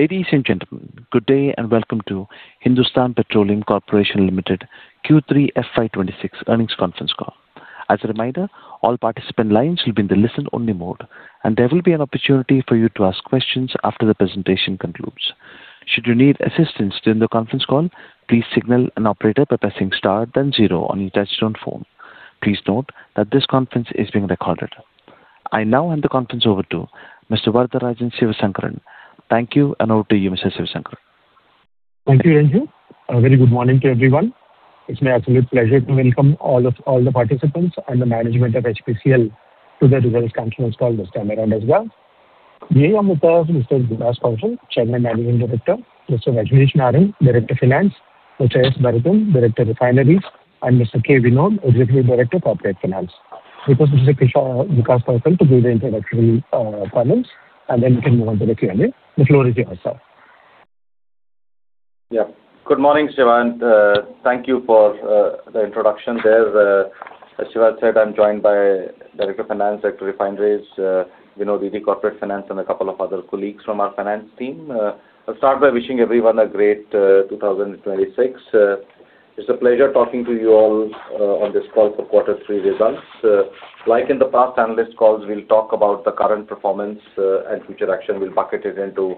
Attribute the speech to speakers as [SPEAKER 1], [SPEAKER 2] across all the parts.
[SPEAKER 1] Ladies and gentlemen, good day and welcome to Hindustan Petroleum Corporation Limited Q3 FY 2026 earnings conference call. As a reminder, all participant lines will be in the listen-only mode, and there will be an opportunity for you to ask questions after the presentation concludes. Should you need assistance during the conference call, please signal an operator by pressing star then zero on your touch-tone phone. Please note that this conference is being recorded. I now hand the conference over to Mr. Varatharajan and Sivasankaran. Thank you, and over to you, Mr. Sivasankaran.
[SPEAKER 2] Thank you, Ranju. A very good morning to everyone. It's my absolute pleasure to welcome all the participants and the management of HPCL to the results conference call this time around as well. Here I am with Mr. Vikas Kaushal, Chairman and Managing Director, Mr. Rajneesh Narang, Director Finance, Mr. S. Bharathan, Director Refineries, and Mr. K. Vinod, Executive Director, Corporate Finance. It was Mr. Vikas Kaushal to give the introductory comments, and then we can move on to the Q&A. The floor is yours, sir.
[SPEAKER 3] Yeah. Good morning, Sivasankaran. Thank you for the introduction there. As Sivasankaran said, I'm joined by Director Finance, Director Refineries, Vinod, Corporate Finance, and a couple of other colleagues from our finance team. I'll start by wishing everyone a great 2026. It's a pleasure talking to you all on this call for Q3 results. Like in the past analyst calls, we'll talk about the current performance and future action. We'll bucket it into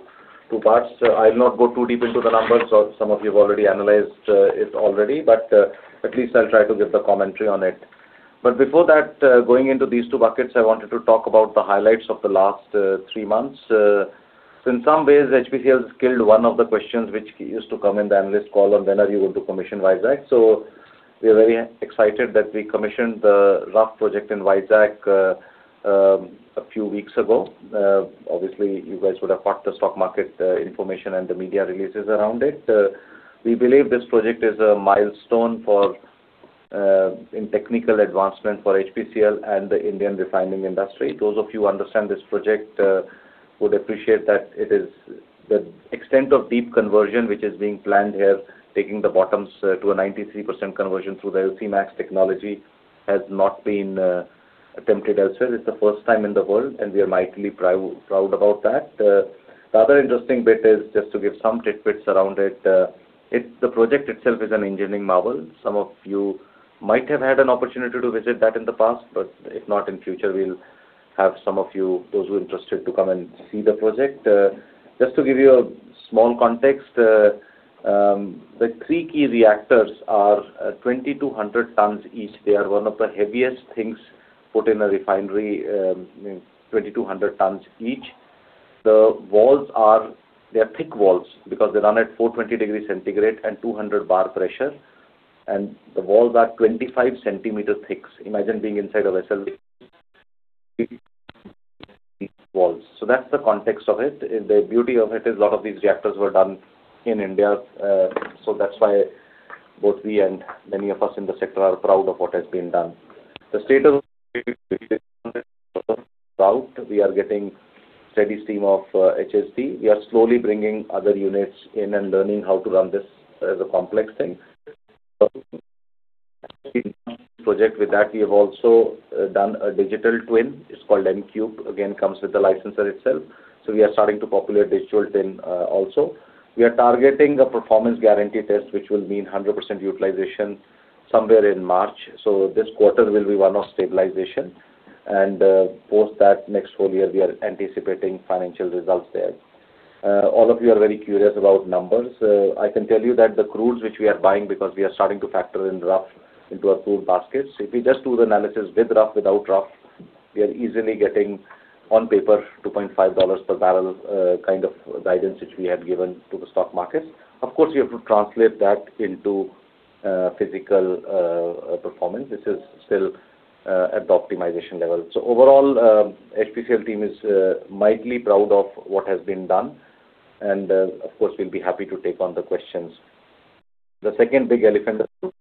[SPEAKER 3] two parts. I'll not go too deep into the numbers. Some of you have already analyzed it, but at least I'll try to give the commentary on it. But before that, going into these two buckets, I wanted to talk about the highlights of the last three months. In some ways, HPCL's killed one of the questions which used to come in the analyst call on whether you would commission Visakh. So we are very excited that we commissioned the RUF project in Visakh a few weeks ago. Obviously, you guys would have caught the stock market information and the media releases around it. We believe this project is a milestone in technical advancement for HPCL and the Indian refining industry. Those of you who understand this project would appreciate that it is the extent of deep conversion which is being planned here, taking the bottoms to a 93% conversion through the LC-MAX technology, has not been attempted elsewhere. It's the first time in the world, and we are mightily proud about that. The other interesting bit is just to give some tidbits around it. The project itself is an engineering marvel. Some of you might have had an opportunity to visit that in the past, but if not, in future, we'll have some of you, those who are interested, to come and see the project. Just to give you a small context, the three key reactors are 2,200 tons each. They are one of the heaviest things put in a refinery, 2,200 tons each. The walls are thick walls because they run at 420 degrees Celsius and 200 bar pressure, and the walls are 25 cm thick. Imagine being inside a vessel with these walls. So that's the context of it. The beauty of it is a lot of these reactors were done in India, so that's why both we and many of us in the sector are proud of what has been done. The state of the industry is out. We are getting steady stream of HSD. We are slowly bringing other units in and learning how to run this as a complex thing. The project with that, we have also done a digital twin. It's called mCube. Again, it comes with the licensor itself. So we are starting to populate digital twin also. We are targeting a Performance Guarantee Test, which will mean 100% utilization somewhere in March. So this quarter will be one of stabilization, and post that, next full year, we are anticipating financial results there. All of you are very curious about numbers. I can tell you that the crudes which we are buying, because we are starting to factor in RUF into our crude baskets. If we just do the analysis with RUF, without RUF, we are easily getting on paper $2.5 per barrel kind of guidance which we have given to the stock markets. Of course, we have to translate that into physical performance. This is still at the optimization level. So overall, the HPCL team is mightily proud of what has been done. And of course, we'll be happy to take on the questions. The second big elephant is the RUF.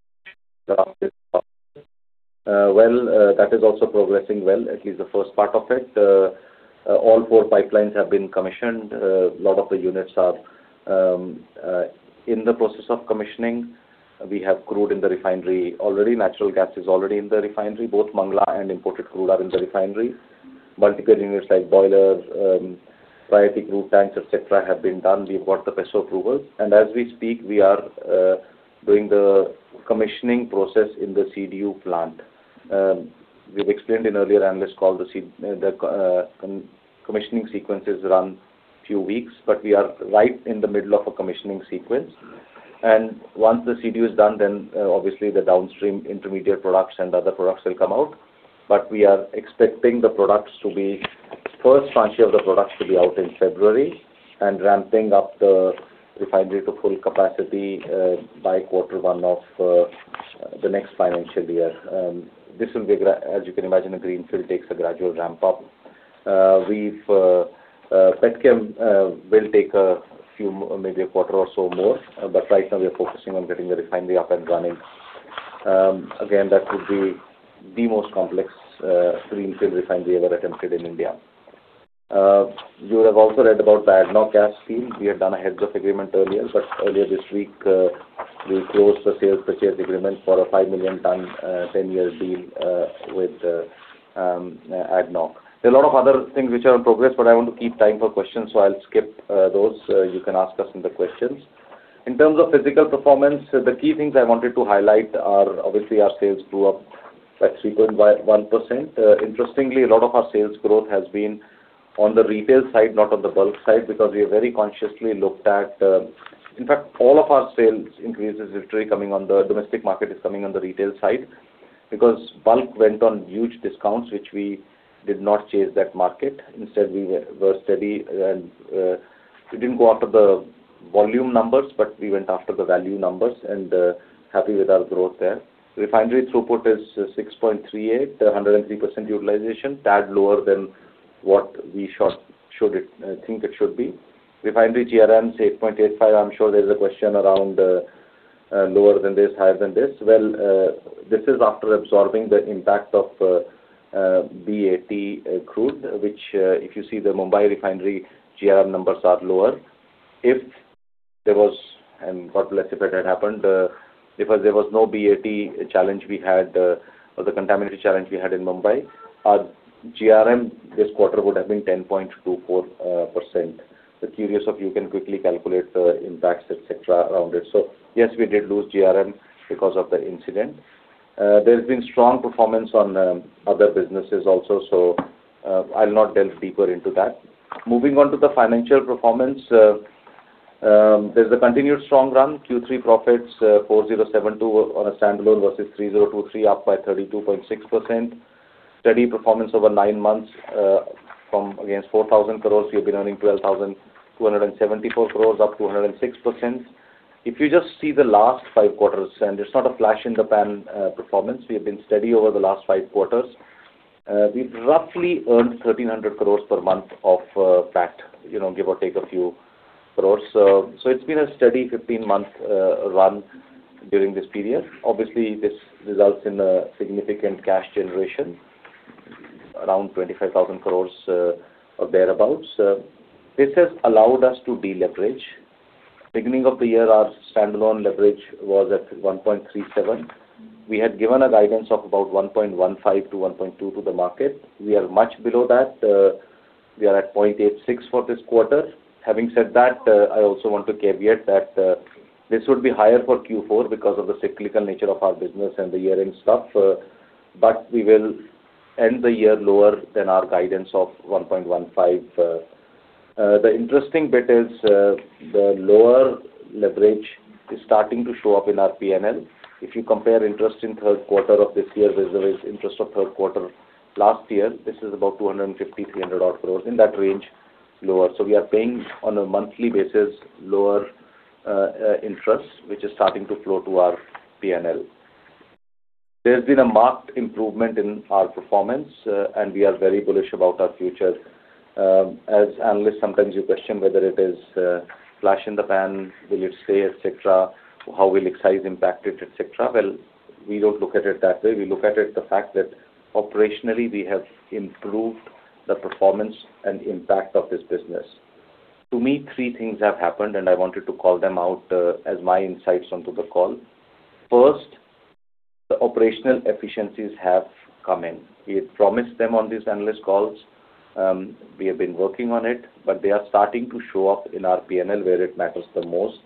[SPEAKER 3] Well, that is also progressing well, at least the first part of it. All four pipelines have been commissioned. A lot of the units are in the process of commissioning. We have crude in the refinery already. Natural gas is already in the refinery. Both Mangala and imported crude are in the refinery. Multiple units like boilers, priority crude tanks, etc., have been done. We've got the PESO approvals. And as we speak, we are doing the commissioning process in the CDU plant. We've explained in earlier analyst call the commissioning sequences run a few weeks, but we are right in the middle of a commissioning sequence. Once the CDU is done, then obviously the downstream intermediate products and other products will come out. We are expecting the products to be first tranche of the products to be out in February and ramping up the refinery to full capacity by Q1 of the next financial year. This will be, as you can imagine, a greenfield, takes a gradual ramp up. Petrochemicals will take a few, maybe a quarter or so more, but right now we are focusing on getting the refinery up and running. Again, that would be the most complex greenfield refinery ever attempted in India. You have also read about the ADNOC gas field. We had done a heads of agreement earlier, but earlier this week, we closed the sales and purchase agreement for a 5-million-ton 10-year deal with ADNOC. There are a lot of other things which are in progress, but I want to keep time for questions, so I'll skip those. You can ask us in the questions. In terms of physical performance, the key things I wanted to highlight are obviously our sales grew up by 3.1%. Interestingly, a lot of our sales growth has been on the retail side, not on the bulk side, because we have very consciously looked at, in fact, all of our sales increases are actually coming on the domestic market is coming on the retail side because bulk went on huge discounts, which we did not chase that market. Instead, we were steady, and we didn't go after the volume numbers, but we went after the value numbers and happy with our growth there. Refinery throughput is 6.38, 103% utilization, a tad lower than what we think it should be. Refinery GRM is 8.85. I'm sure there's a question around lower than this, higher than this. Well, this is after absorbing the impact of BAT crude, which if you see the Mumbai refinery GRM numbers are lower. If there was, and God bless if it had happened, if there was no BAT, a challenge we had or the contamination challenge we had in Mumbai, our GRM this quarter would have been 10.24%. The curious of you can quickly calculate the impacts, etc., around it. So yes, we did lose GRM because of the incident. There's been strong performance on other businesses also, so I'll not delve deeper into that. Moving on to the financial performance, there's a continued strong run. Q3 profits, 4,072 on a standalone versus 3,023, up by 32.6%. Steady performance over nine months from against 4,000 crore. We have been earning 12,274 crore, up 206%. If you just see the last five quarters, and it's not a flash in the pan performance. We have been steady over the last five quarters. We've roughly earned 1,300 crore per month of PAT, give or take a few crore. So it's been a steady 15-month run during this period. Obviously, this results in significant cash generation, around 25,000 crore or thereabouts. This has allowed us to deleverage. Beginning of the year, our standalone leverage was at 1.37. We had given a guidance of about 1.15x-1.2x to the market. We are much below that. We are at 0.86x for this quarter. Having said that, I also want to caveat that this would be higher for Q4 because of the cyclical nature of our business and the year-end stuff, but we will end the year lower than our guidance of 1.15x. The interesting bit is the lower leverage is starting to show up in our P&L. If you compare interest in third quarter of this year versus interest of third quarter last year, this is about 250 crore-300 crore, in that range lower. So we are paying on a monthly basis lower interest, which is starting to flow to our P&L. There's been a marked improvement in our performance, and we are very bullish about our future. As analysts, sometimes you question whether it is flash in the pan, will it stay, etc., how will its size impact it, etc. Well, we don't look at it that way. We look at the fact that operationally, we have improved the performance and impact of this business. To me, three things have happened, and I wanted to call them out as my insights on the call. First, the operational efficiencies have come in. We had promised them on these analyst calls. We have been working on it, but they are starting to show up in our P&L where it matters the most.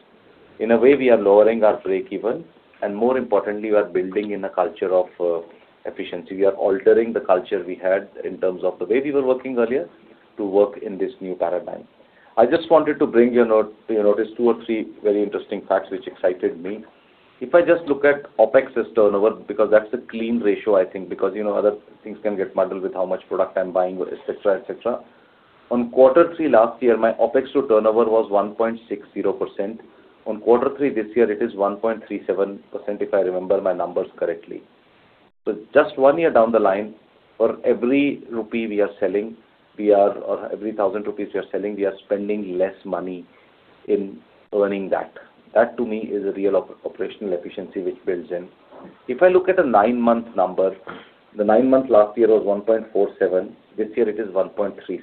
[SPEAKER 3] In a way, we are lowering our breakeven, and more importantly, we are building in a culture of efficiency. We are altering the culture we had in terms of the way we were working earlier to work in this new paradigm. I just wanted to bring to your notice two or three very interesting facts which excited me. If I just look at OpEx to turnover, because that's the clean ratio, I think, because other things can get muddled with how much product I'm buying, etc., etc. On Q3 last year, my OpEx to turnover was 1.60%. On Q3 this year, it is 1.37%, if I remember my numbers correctly. So just one year down the line, for every rupee we are selling, or every thousand rupees we are selling, we are spending less money in earning that. That, to me, is a real operational efficiency which builds in. If I look at a nine-month number, the nine-month last year was 1.47%. This year, it is 1.36%,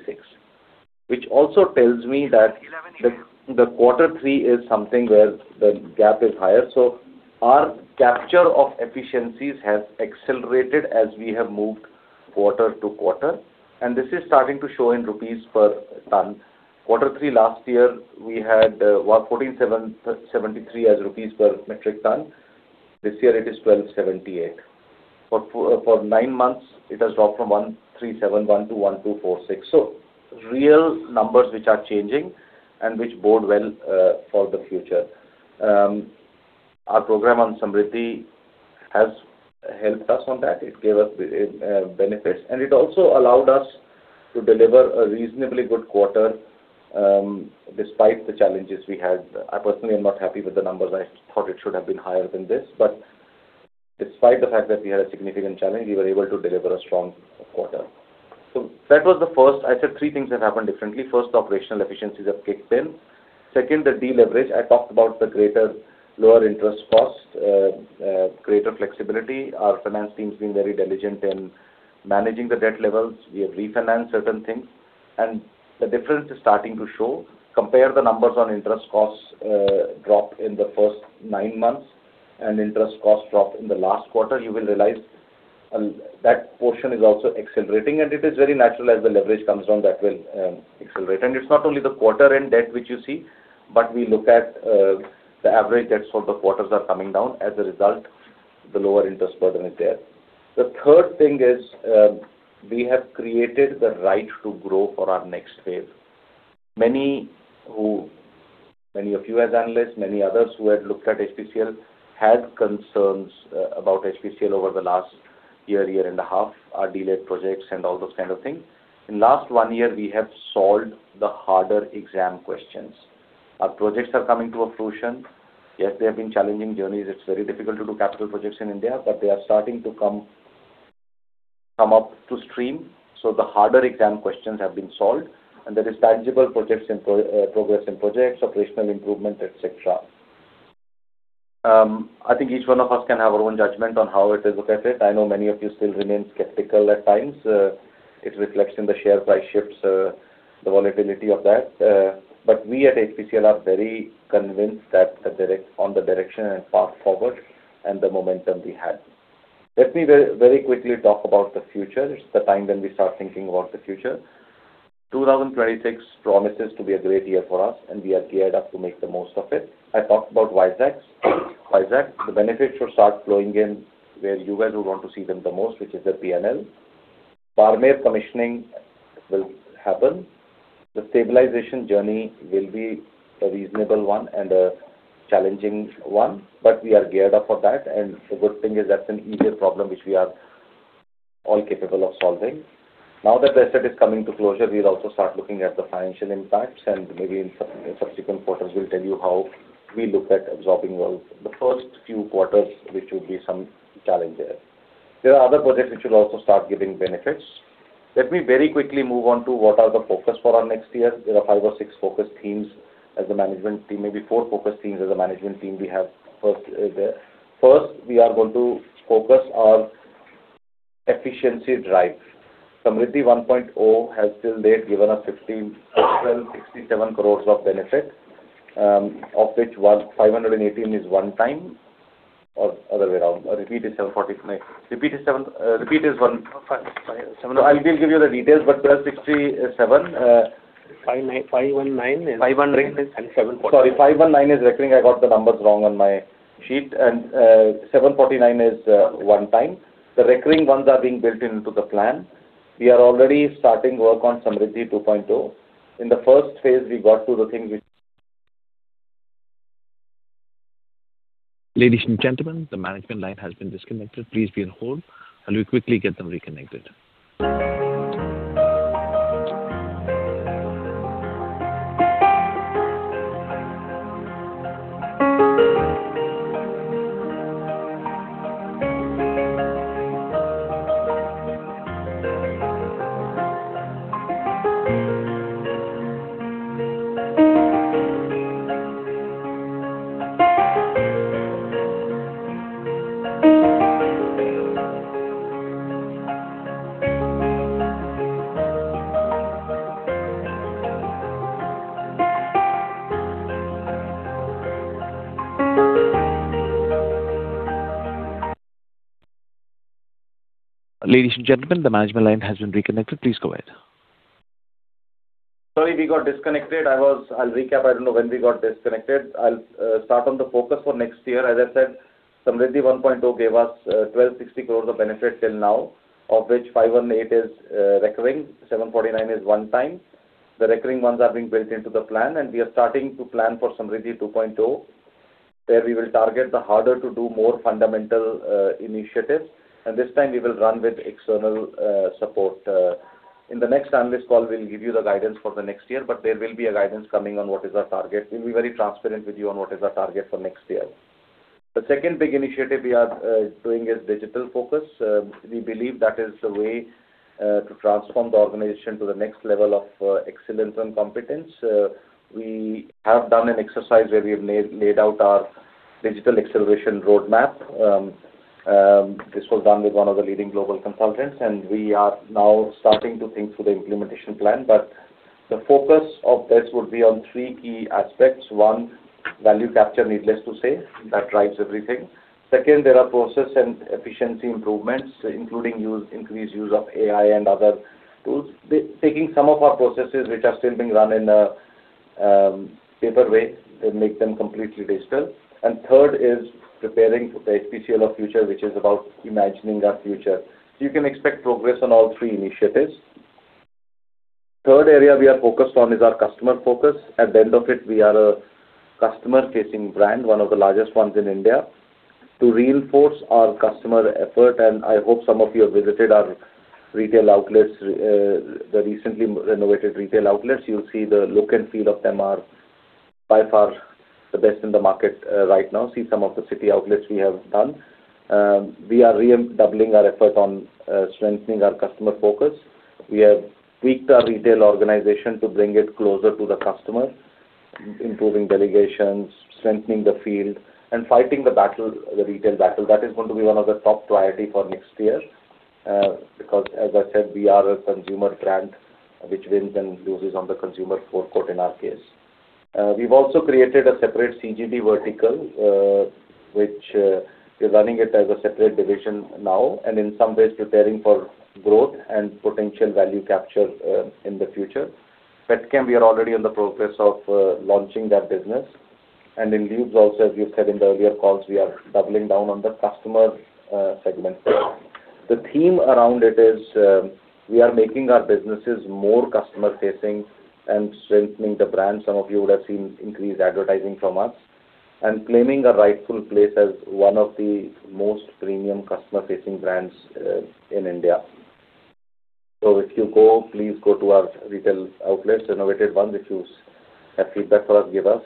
[SPEAKER 3] which also tells me that the Q3 is something where the gap is higher. So our capture of efficiencies has accelerated as we have moved quarter to quarter, and this is starting to show in rupees per ton. Q3 last year, we had 1473 rupees per metric ton. This year, it is 1278. For nine months, it has dropped from 1371 to 1246, so real numbers which are changing and which bode well for the future. Our program on Samriddhi has helped us on that. It gave us benefits, and it also allowed us to deliver a reasonably good quarter despite the challenges we had. I personally am not happy with the numbers. I thought it should have been higher than this, but despite the fact that we had a significant challenge, we were able to deliver a strong quarter. So that was the first. I said three things have happened differently. First, the operational efficiencies have kicked in. Second, the deleverage. I talked about the greater lower interest cost, greater flexibility. Our finance team has been very diligent in managing the debt levels. We have refinanced certain things, and the difference is starting to show. Compare the numbers on interest cost drop in the first nine months and interest cost drop in the last quarter. You will realize that portion is also accelerating, and it is very natural as the leverage comes down that will accelerate. And it's not only the quarter-end debt which you see, but we look at the average debts for the quarters are coming down. As a result, the lower interest burden is there. The third thing is we have created the right to grow for our next wave. Many of you as analysts, many others who had looked at HPCL had concerns about HPCL over the last year, year and a half, our delayed projects and all those kind of things. In the last one year, we have solved the harder exam questions. Our projects are coming to a fruition. Yes, they have been challenging journeys. It's very difficult to do capital projects in India, but they are starting to come on stream. So the harder exam questions have been solved, and there is tangible progress in projects, operational improvement, etc. I think each one of us can have our own judgment on how to look at it. I know many of you still remain skeptical at times. It reflects in the share price shifts, the volatility of that. But we at HPCL are very convinced that on the direction and path forward and the momentum we have. Let me very quickly talk about the future. It's the time when we start thinking about the future; 2026 promises to be a great year for us, and we are geared up to make the most of it. I talked about Visakh. Visakh, the benefits will start flowing in where you guys will want to see them the most, which is the P&L. Barmer commissioning will happen. The stabilization journey will be a reasonable one and a challenging one, but we are geared up for that. And the good thing is that's an easier problem which we are all capable of solving. Now that the asset is coming to closure, we'll also start looking at the financial impacts, and maybe in subsequent quarters, we'll tell you how we look at absorbing the first few quarters, which will be some challenges. There are other projects which will also start giving benefits. Let me very quickly move on to what are the focus for our next year. There are five or six focus themes as the management team. Maybe four focus themes as the management team we have first there. First, we are going to focus our efficiency drive. Samriddhi 1.0 has till date given us 1,267 crore of benefit, of which 518 crore is one time or other way around. Repeat is 749 crore. I'll give you the details, but 1,267 crore.
[SPEAKER 4] 519 crore is recurring.
[SPEAKER 3] Sorry, 519 crore is recurring. I got the numbers wrong on my sheet. 749 crore is one-time. The recurring ones are being built into the plan. We are already starting work on Samriddhi 2.0. In the first phase, we got to the things which—
[SPEAKER 1] Ladies and gentlemen, the management line has been disconnected. Please be on hold, and we'll quickly get them reconnected. Ladies and gentlemen, the management line has been reconnected. Please go ahead.
[SPEAKER 3] Sorry, we got disconnected. I'll recap. I don't know when we got disconnected. I'll start on the focus for next year. As I said, Samriddhi 1.0 gave us 1,260 crore of benefit till now, of which 518 crore is recurring, 749 crore is one-time. The recurring ones are being built into the plan, and we are starting to plan for Samriddhi 2.0, where we will target the harder-to-do-more fundamental initiatives. And this time, we will run with external support. In the next analyst call, we'll give you the guidance for the next year, but there will be a guidance coming on what is our target. We'll be very transparent with you on what is our target for next year. The second big initiative we are doing is digital focus. We believe that is the way to transform the organization to the next level of excellence and competence. We have done an exercise where we have laid out our digital acceleration roadmap. This was done with one of the leading global consultants, and we are now starting to think through the implementation plan. But the focus of this would be on three key aspects. One, value capture, needless to say, that drives everything. Second, there are process and efficiency improvements, including increased use of AI and other tools, taking some of our processes which are still being run in a paper way and make them completely digital. And third is preparing for the HPCL of future, which is about imagining our future. So you can expect progress on all three initiatives. Third area we are focused on is our customer focus. At the end of it, we are a customer-facing brand, one of the largest ones in India. To reinforce our customer effort, and I hope some of you have visited our retail outlets, the recently renovated retail outlets. You'll see the look and feel of them are by far the best in the market right now. See some of the city outlets we have done. We are redoubling our effort on strengthening our customer focus. We have tweaked our retail organization to bring it closer to the customer, improving delegations, strengthening the field, and fighting the battle, the retail battle. That is going to be one of the top priorities for next year because, as I said, we are a consumer brand which wins and loses on the consumer forecourt in our case. We've also created a separate CGD vertical, which we're running it as a separate division now, and in some ways, preparing for growth and potential value capture in the future. Petrochemicals, we are already in the process of launching that business. And in lubes also, as we've said in the earlier calls, we are doubling down on the customer segment. The theme around it is we are making our businesses more customer-facing and strengthening the brand. Some of you would have seen increased advertising from us and claiming a rightful place as one of the most premium customer-facing brands in India. So if you go, please go to our retail outlets, innovative ones. If you have feedback for us, give us.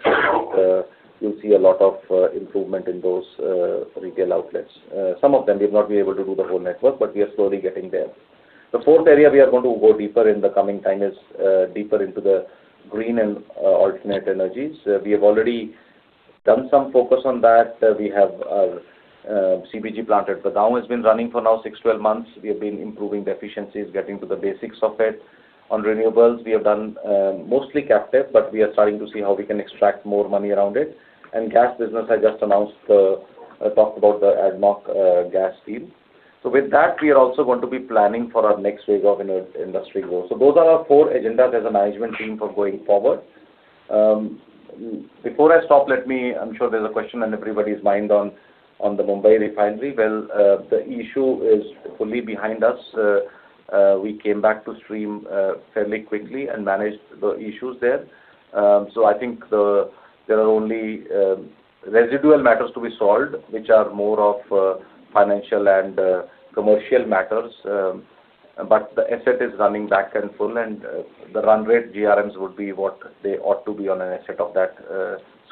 [SPEAKER 3] You'll see a lot of improvement in those retail outlets. Some of them, we have not been able to do the whole network, but we are slowly getting there. The fourth area we are going to go deeper in the coming time is deeper into the green and alternate energies. We have already done some focus on that. We have our CBG plant at Budaun has been running for now six, 12 months. We have been improving the efficiencies, getting to the basics of it. On renewables, we have done mostly captive, but we are starting to see how we can extract more money around it. And gas business, I just announced the talk about the ADNOC gas field. So with that, we are also going to be planning for our next wave of industry growth. So those are our four agendas as a management team for going forward. Before I stop, let me. I'm sure there's a question on everybody's mind on the Mumbai refinery, well, the issue is fully behind us. We came back to stream fairly quickly and managed the issues there. So I think there are only residual matters to be solved, which are more of financial and commercial matters. But the asset is running back and full, and the run rate GRMs would be what they ought to be on an asset of that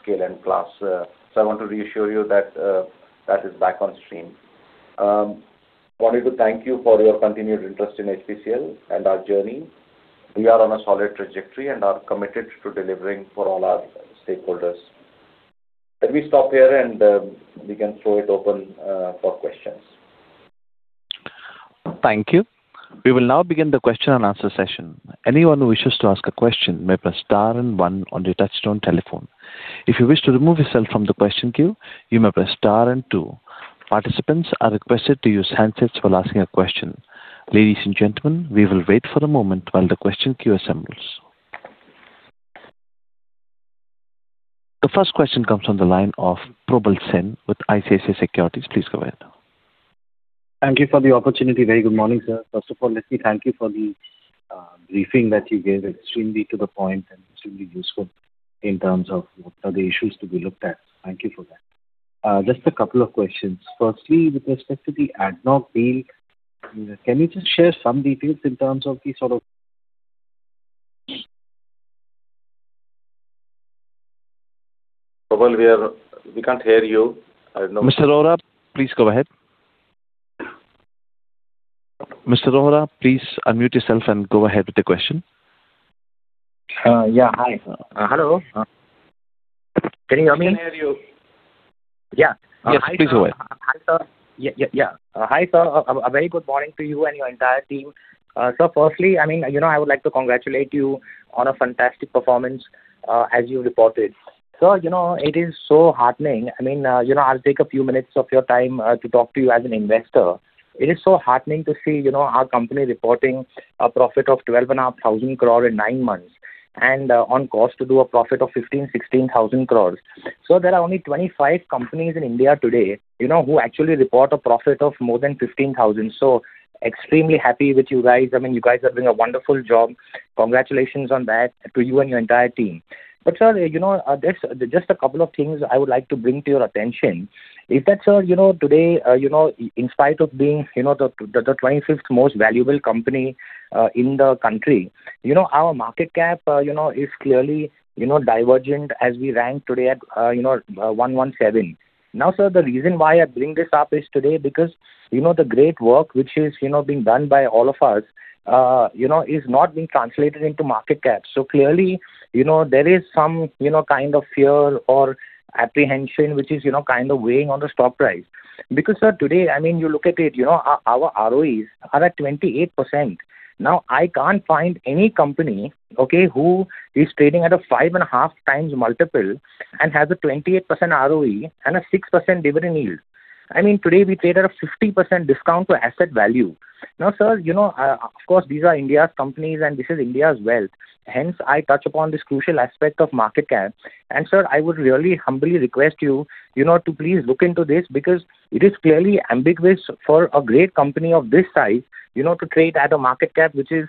[SPEAKER 3] scale and class. So I want to reassure you that that is back on stream. I wanted to thank you for your continued interest in HPCL and our journey. We are on a solid trajectory and are committed to delivering for all our stakeholders. Let me stop here, and we can throw it open for questions.
[SPEAKER 1] Thank you. We will now begin the question-and-answer session. Anyone who wishes to ask a question may press star and one on the touch-tone telephone. If you wish to remove yourself from the question queue, you may press star and two. Participants are requested to use handsets while asking a question. Ladies and gentlemen, we will wait for a moment while the question queue assembles. The first question comes from the line of Probal Sen with ICICI Securities. Please go ahead.
[SPEAKER 5] Thank you for the opportunity. Very good morning, sir. First of all, let me thank you for the briefing that you gave. Extremely to the point and extremely useful in terms of what are the issues to be looked at. Thank you for that. Just a couple of questions. Firstly, with respect to the ADNOC deal, can you just share some details in terms of the sort of—
[SPEAKER 3] Probal, we can't hear you.
[SPEAKER 1] Mr. Rohra, please go ahead. Mr. Rohra, please unmute yourself and go ahead with the question. Yeah. Hi. Hello. Can you hear me?
[SPEAKER 3] I can hear you. Yeah. Yes. Please go ahead. Hi, sir. Yeah. Hi, sir. A very good morning to you and your entire team. So firstly, I mean, I would like to congratulate you on a fantastic performance as you reported. Sir, it is so heartening. I mean, I'll take a few minutes of your time to talk to you as an investor. It is so heartening to see our company reporting a profit of 12,500 crore in nine months and on course to do a profit of 15,000 crore-16,000 crore. Sir, there are only 25 companies in India today who actually report a profit of more than 15,000 crore. So extremely happy with you guys. I mean, you guys are doing a wonderful job. Congratulations on that to you and your entire team. But sir, just a couple of things I would like to bring to your attention. Is that, sir, today, in spite of being the 25th most valuable company in the country, our market cap is clearly divergent as we rank today at 117. Now, sir, the reason why I bring this up is today because the great work, which is being done by all of us, is not being translated into market cap. So clearly, there is some kind of fear or apprehension which is kind of weighing on the stock price. Because, sir, today, I mean, you look at it, our ROEs are at 28%. Now, I can't find any company, okay, who is trading at a 5.5x multiple and has a 28% ROE and a 6% dividend yield. I mean, today, we trade at a 50% discount to asset value. Now, sir, of course, these are India's companies, and this is India's wealth. Hence, I touch upon this crucial aspect of market cap. And sir, I would really humbly request you to please look into this because it is clearly ambiguous for a great company of this size to trade at a market cap which is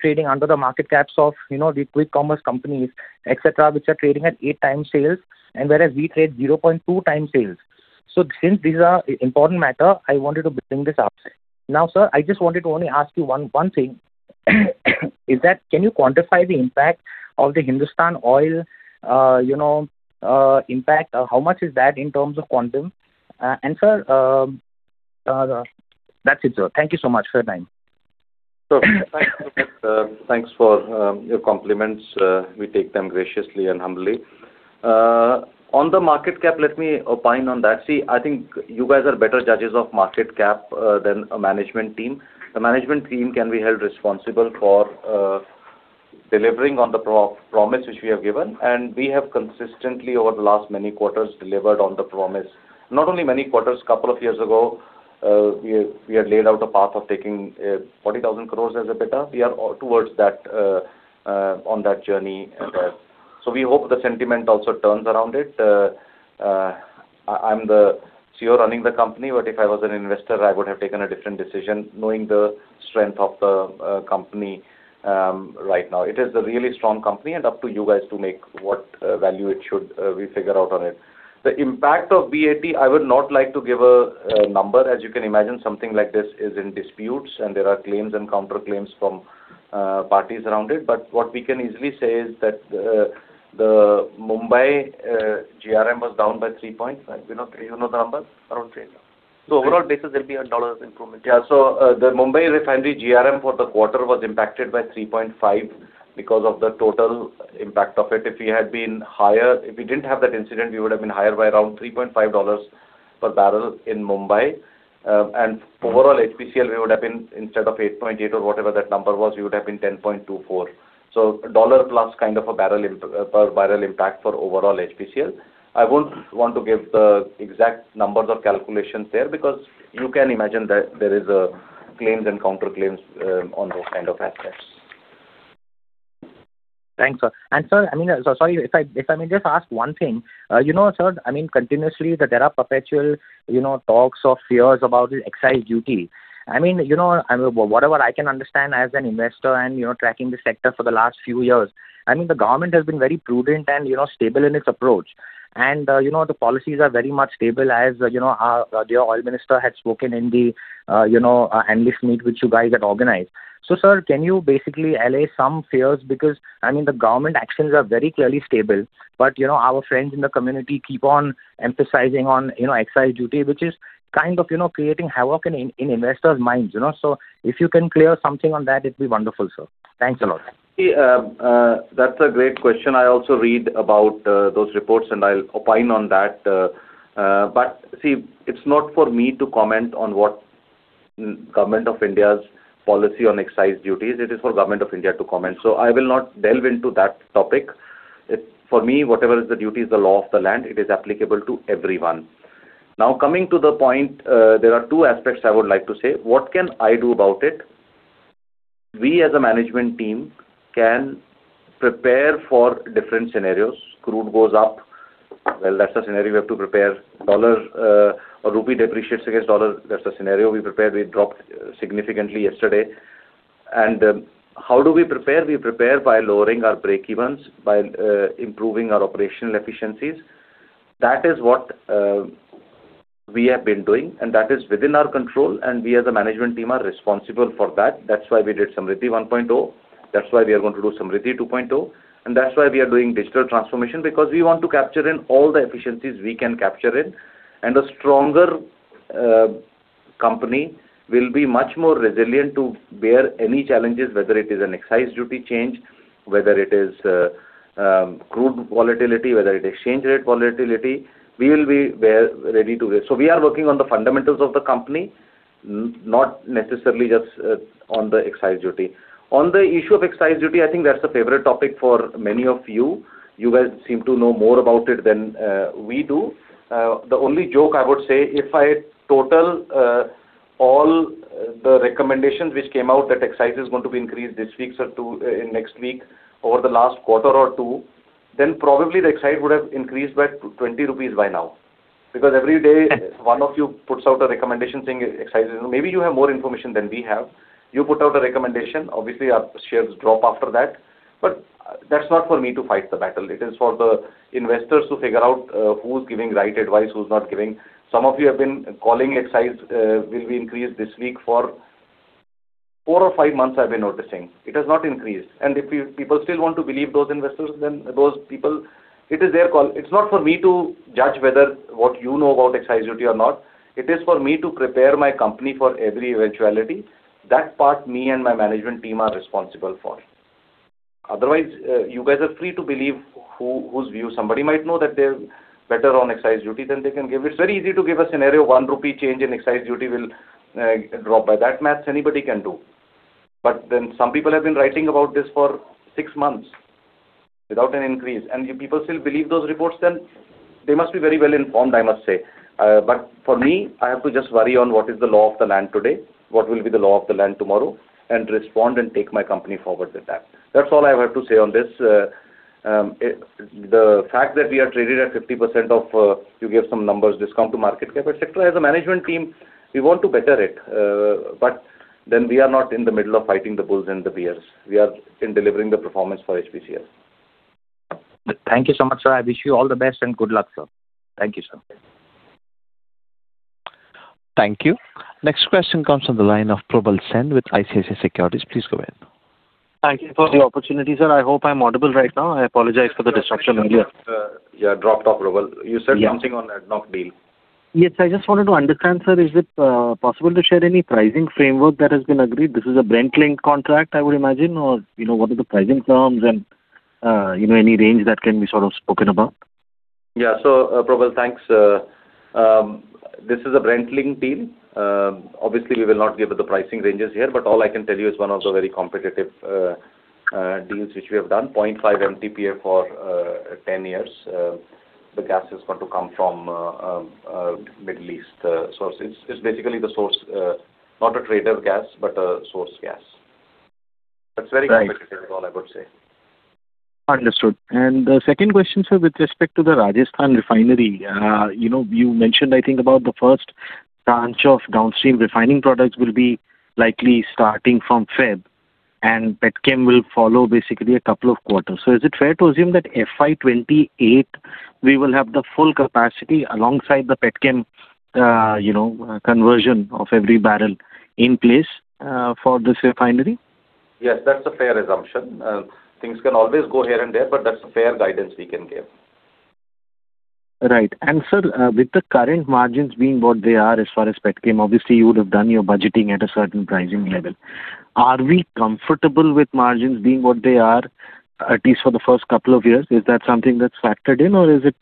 [SPEAKER 3] trading under the market caps of the quick commerce companies, etc., which are trading at 8x sales, and whereas we trade 0.2x sales. So since these are important matters, I wanted to bring this up. Now, sir, I just wanted to only ask you one thing, is that can you quantify the impact of the Hindustan oil impact? How much is that in terms of quantum? And sir, that's it, sir. Thank you so much for your time. Thanks for your compliments. We take them graciously and humbly. On the market cap, let me opine on that. See, I think you guys are better judges of market cap than a management team. The management team can be held responsible for delivering on the promise which we have given, and we have consistently over the last many quarters delivered on the promise. Not only many quarters, a couple of years ago, we had laid out a path of taking 40,000 crore as an EBITDA. We are towards that on that journey. So we hope the sentiment also turns around it. I'm the CEO running the company, but if I was an investor, I would have taken a different decision knowing the strength of the company right now. It is a really strong company, and up to you guys to make what value it should be figured out on it. The impact of BAT, I would not like to give a number. As you can imagine, something like this is in disputes, and there are claims and counterclaims from parties around it, but what we can easily say is that the Mumbai GRM was down by 3 points. Do you know the number around trade? The overall basis will be a dollar improvement. Yeah, so the Mumbai refinery GRM for the quarter was impacted by 3.5 because of the total impact of it. If we had been higher, if we didn't have that incident, we would have been higher by around $3.5 per barrel in Mumbai, and overall HPCL, we would have been instead of 8.8x or whatever that number was, we would have been 10.24x, so dollar-plus kind of a barrel impact for overall HPCL. I don't want to give the exact numbers or calculations there because you can imagine that there are claims and counterclaims on those kind of assets. Thanks, sir. And sir, I mean, sorry, if I may just ask one thing. Sir, I mean, continuously, there are perpetual talks of fears about excise duty. I mean, whatever I can understand as an investor and tracking the sector for the last few years, I mean, the government has been very prudent and stable in its approach. And the policies are very much stable as your oil minister had spoken in the analyst meet which you guys had organized. So sir, can you basically allay some fears? Because I mean, the government actions are very clearly stable, but our friends in the community keep on emphasizing on excise duty, which is kind of creating havoc in investors' minds. So if you can clear something on that, it'd be wonderful, sir. Thanks a lot. That's a great question. I also read about those reports, and I'll opine on that. But see, it's not for me to comment on what Government of India's policy on excise duty is. It is for Government of India to comment. So I will not delve into that topic. For me, whatever is the duty is the law of the land. It is applicable to everyone. Now, coming to the point, there are two aspects I would like to say. What can I do about it? We, as a management team, can prepare for different scenarios. Crude goes up. Well, that's a scenario we have to prepare. Rupee depreciates against dollar. That's a scenario we prepared. We dropped significantly yesterday. And how do we prepare? We prepare by lowering our breakevens, by improving our operational efficiencies. That is what we have been doing, and that is within our control. And we, as a management team, are responsible for that. That's why we did Samriddhi 1.0. That's why we are going to do Samriddhi 2.0. And that's why we are doing digital transformation because we want to capture in all the efficiencies we can capture in. And a stronger company will be much more resilient to bear any challenges, whether it is an excise duty change, whether it is crude volatility, whether it is exchange rate volatility. We will be ready to bear. So we are working on the fundamentals of the company, not necessarily just on the excise duty. On the issue of excise duty, I think that's a favorite topic for many of you. You guys seem to know more about it than we do. The only joke I would say, if I total all the recommendations which came out that excise is going to be increased this week or next week over the last quarter or two, then probably the excise would have increased by 20 rupees by now. Because every day, one of you puts out a recommendation saying excise is, maybe you have more information than we have. You put out a recommendation. Obviously, our shares drop after that. But that's not for me to fight the battle. It is for the investors to figure out who's giving right advice, who's not giving. Some of you have been calling excise will be increased this week for four or five months, I've been noticing. It has not increased, and if people still want to believe those investors, then those people, it is their call. It's not for me to judge whether what you know about excise duty or not. It is for me to prepare my company for every eventuality. That part, me and my management team are responsible for. Otherwise, you guys are free to believe whose view. Somebody might know that they're better on excise duty than they can give. It's very easy to give a scenario, 1 rupee change in excise duty will drop by that. That's anybody can do. But then some people have been writing about this for six months without an increase. And if people still believe those reports, then they must be very well informed, I must say. But for me, I have to just worry on what is the law of the land today, what will be the law of the land tomorrow, and respond and take my company forward with that. That's all I have to say on this. The fact that we are traded at 50% of—you gave some numbers—discount to market cap, etc. As a management team, we want to better it. But then we are not in the middle of fighting the bulls and the bears. We are in delivering the performance for HPCL. Thank you so much, sir. I wish you all the best and good luck, sir. Thank you, sir.
[SPEAKER 1] Thank you. Next question comes from the line of Probal Sen with ICICI Securities. Please go ahead.
[SPEAKER 5] Thank you for the opportunity, sir. I hope I'm audible right now. I apologize for the disruption earlier.
[SPEAKER 3] Yeah. Dropped off, Probal. You said something on ADNOC deal.
[SPEAKER 5] Yes. I just wanted to understand, sir, is it possible to share any pricing framework that has been agreed? This is a Brent-linked contract, I would imagine. Or what are the pricing terms and any range that can be sort of spoken about?
[SPEAKER 3] Yeah. So, Probal, thanks. This is a Brent-linked deal. Obviously, we will not give the pricing ranges here, but all I can tell you is one of the very competitive deals which we have done, 0.5 MTPA for 10 years. The gas is going to come from Middle East sources. It's basically the source, not a trader gas, but a source gas. That's very competitive, is all I would say.
[SPEAKER 5] Understood. And the second question, sir, with respect to the Rajasthan refinery, you mentioned, I think, about the first tranche of downstream refining products will be likely starting from February, and Petrochem will follow basically a couple of quarters. So is it fair to assume that FY 2028, we will have the full capacity alongside the Petrochem conversion of every barrel in place for this refinery?
[SPEAKER 3] Yes. That's a fair assumption. Things can always go here and there, but that's a fair guidance we can give.
[SPEAKER 5] Right. And sir, with the current margins being what they are as far as Petrochemicals, obviously, you would have done your budgeting at a certain pricing level. Are we comfortable with margins being what they are, at least for the first couple of years? Is that something that's factored in, or is it,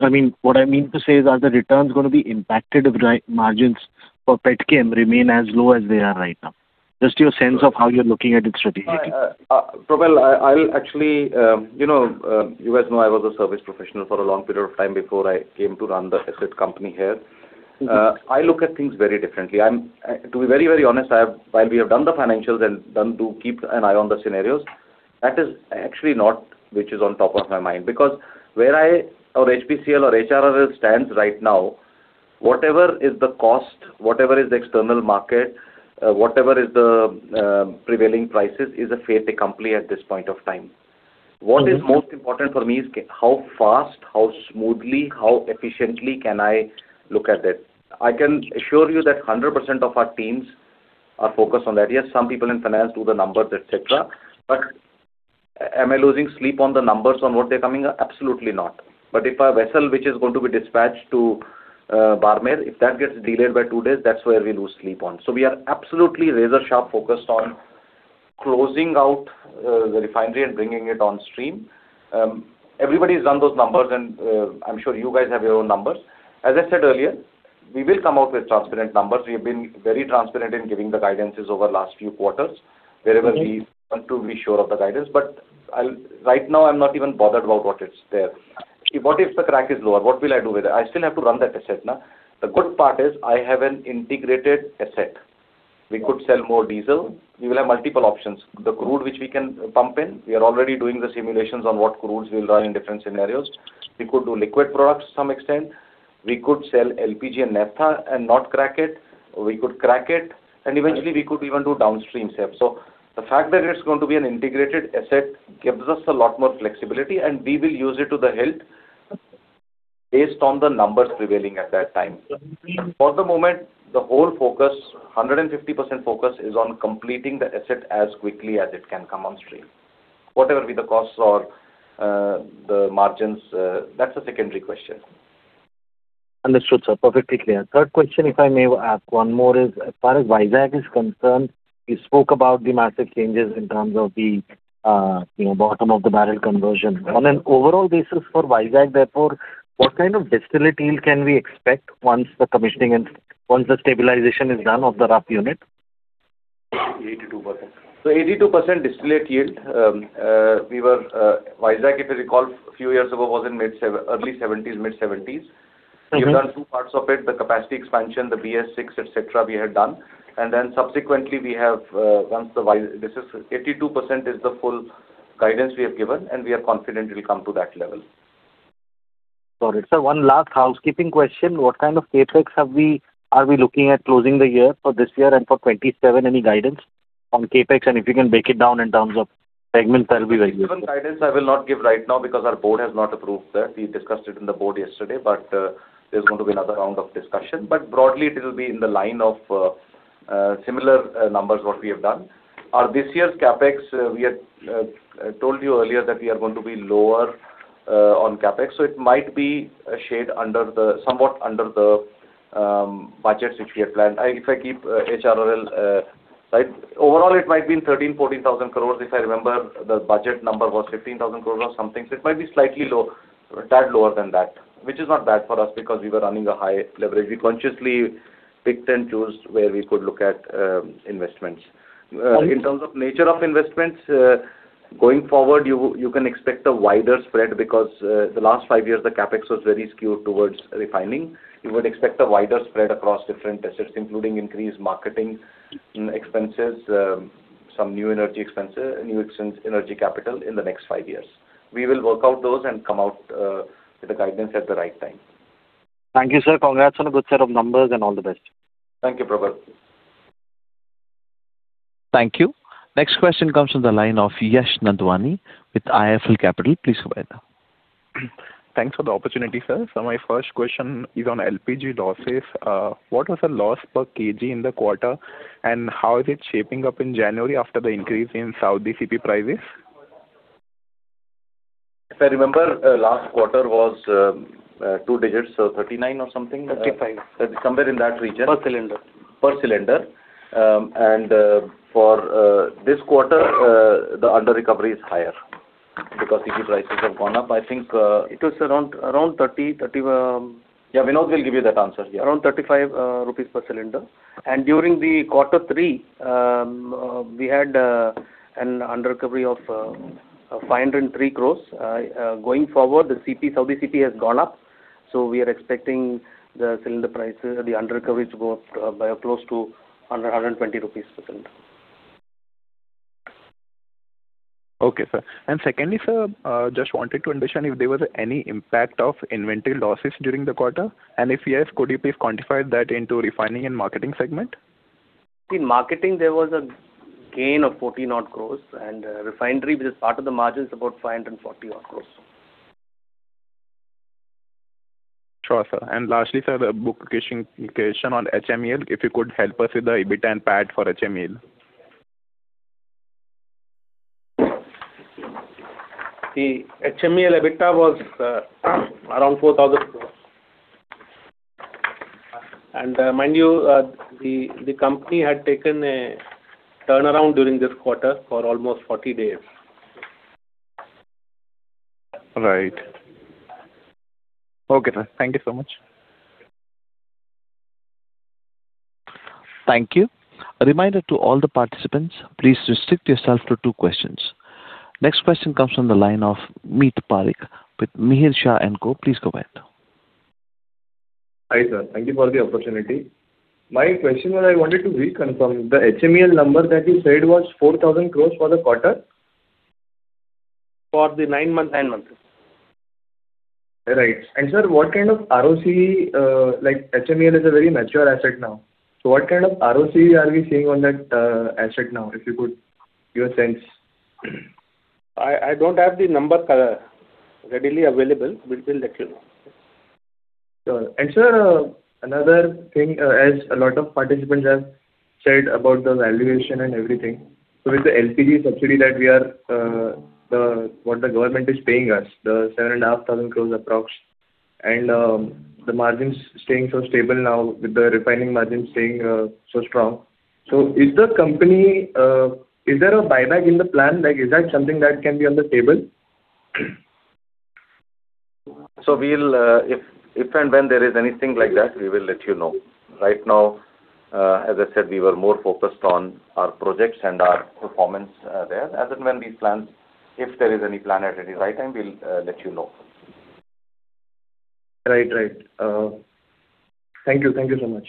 [SPEAKER 5] I mean, what I mean to say is, are the returns going to be impacted if margins for Petrochemicals remain as low as they are right now? Just your sense of how you're looking at it strategically.
[SPEAKER 3] Probal, I'll actually, you guys know I was a service professional for a long period of time before I came to run the asset company here. I look at things very differently. To be very, very honest, while we have done the financials and to keep an eye on the scenarios, that is actually not which is on top of my mind. Because where I or HPCL or HRRL stands right now, whatever is the cost, whatever is the external market, whatever is the prevailing prices is a fate at this point of time. What is most important for me is how fast, how smoothly, how efficiently can I look at it. I can assure you that 100% of our teams are focused on that. Yes, some people in finance do the numbers, etc. But am I losing sleep on the numbers on what they're coming up? Absolutely not. But if a vessel which is going to be dispatched to Barmer, if that gets delayed by two days, that's where we lose sleep on. So we are absolutely razor-sharp focused on closing out the refinery and bringing it on stream. Everybody's done those numbers, and I'm sure you guys have your own numbers. As I said earlier, we will come out with transparent numbers. We have been very transparent in giving the guidances over the last few quarters, wherever we want to be sure of the guidance. But right now, I'm not even bothered about what it's there. What if the crack is lower? What will I do with it? I still have to run that asset. The good part is I have an integrated asset. We could sell more diesel. We will have multiple options. The crude which we can pump in, we are already doing the simulations on what crudes we'll run in different scenarios. We could do liquid products to some extent. We could sell LPG and naphtha and not crack it. We could crack it, and eventually, we could even do downstream sales. So the fact that it's going to be an integrated asset gives us a lot more flexibility, and we will use it to the hilt based on the numbers prevailing at that time. For the moment, the whole focus, 150% focus is on completing the asset as quickly as it can come on stream. Whatever be the costs or the margins, that's a secondary question.
[SPEAKER 5] Understood, sir. Perfectly clear. Third question, if I may ask one more, is as far as Visakh is concerned, you spoke about the massive changes in terms of the bottom of the barrel conversion. On an overall basis for Visakh, therefore, what kind of distillate yield can we expect once the commissioning and once the stabilization is done of the RUF unit?
[SPEAKER 3] So 82% distillate yield. Visakh, if you recall, a few years ago was in early 70s, mid-70s. We have done two parts of it, the capacity expansion, the BS6, etc., we had done. And then subsequently, we have done the – this is 82% is the full guidance we have given, and we are confident it will come to that level.
[SPEAKER 5] Got it. Sir, one last housekeeping question. What kind of CapEx are we looking at closing the year for this year and for 2027? Any guidance on CapEx, and if you can break it down in terms of segments, that will be very useful.
[SPEAKER 3] The CapEx guidance, I will not give right now because our board has not approved that. We discussed it in the board yesterday, but there's going to be another round of discussion. But broadly, it will be in the line of similar numbers what we have done. This year's CapEx, we had told you earlier that we are going to be lower on CapEx, so it might be a shade somewhat under the budgets which we had planned. If I keep HRRL, overall, it might be in 13,000-14,000 crore. If I remember, the budget number was 15,000 crore or something. So it might be slightly lower, that lower than that, which is not bad for us because we were running a high leverage. We consciously picked and chose where we could look at investments. In terms of nature of investments, going forward, you can expect a wider spread because the last five years, the CapEx was very skewed towards refining. You would expect a wider spread across different assets, including increased marketing expenses, some new energy capital in the next five years. We will work out those and come out with the guidance at the right time.
[SPEAKER 5] Thank you, sir. Congrats on a good set of numbers and all the best.
[SPEAKER 3] Thank you, Probal.
[SPEAKER 1] Thank you. Next question comes from the line of Yash Nandwani with IIFL Capital. Please go ahead.
[SPEAKER 6] Thanks for the opportunity, sir. So my first question is on LPG losses. What was the loss per kg in the quarter, and how is it shaping up in January after the increase in Saudi CP prices?
[SPEAKER 3] If I remember, last quarter was two digits, so 39 or something.
[SPEAKER 4] Thirty-five.
[SPEAKER 3] Somewhere in that region.
[SPEAKER 4] Per cylinder.
[SPEAKER 3] Per cylinder. And for this quarter, the under-recovery is higher because CP prices have gone up. I think it was around 30. Yeah. Vinod will give you that answer. Yeah.
[SPEAKER 4] Around 35 rupees per cylinder. And during the Q3, we had an under-recovery of 503 crore. Going forward, the CP, Saudi CP has gone up. So we are expecting the cylinder prices, the under-recovery to go up by close to under 120 rupees per cylinder.
[SPEAKER 6] Okay, sir. And secondly, sir, just wanted to mention if there was any impact of inventory losses during the quarter. And if yes, could you please quantify that into refining and marketing segment?
[SPEAKER 4] In marketing, there was a gain of 14-odd crore, and refinery, which is part of the margins, about 540-odd crore.
[SPEAKER 6] Sure, sir. And lastly, sir, the last question on HMEL. If you could help us with the EBITDA and PAT for HMEL.
[SPEAKER 4] The HMEL EBITDA was around 4,000 crore. And mind you, the company had taken a turnaround during this quarter for almost 40 days. Right.
[SPEAKER 6] Okay, sir. Thank you so much.
[SPEAKER 1] Thank you. A reminder to all the participants, please restrict yourself to two questions. Next question comes from the line of Meet Parikh with Mihir Shah & Co. Please go ahead. Hi, sir. Thank you for the opportunity. My question was I wanted to reconfirm. The HMEL number that you said was 4,000 crore for the quarter?
[SPEAKER 4] For the nine months. Nine months. Right. And sir, what kind of ROCE? HMEL is a very mature asset now. So what kind of ROCE are we seeing on that asset now, if you could give a sense? I don't have the number readily available. We'll let you know. Sure. And, sir, another thing, as a lot of participants have said about the valuation and everything, so with the LPG subsidy that we are, what the government is paying us, the 7,500 crore approximately, and the margins staying so stable now with the refining margins staying so strong, so is the company, is there a buyback in the plan? Is that something that can be on the table?
[SPEAKER 3] So if and when there is anything like that, we will let you know. Right now, as I said, we were more focused on our projects and our performance there. As and when we plan, if there is any plan at any right time, we'll let you know. Right, right. Thank you. Thank you so much.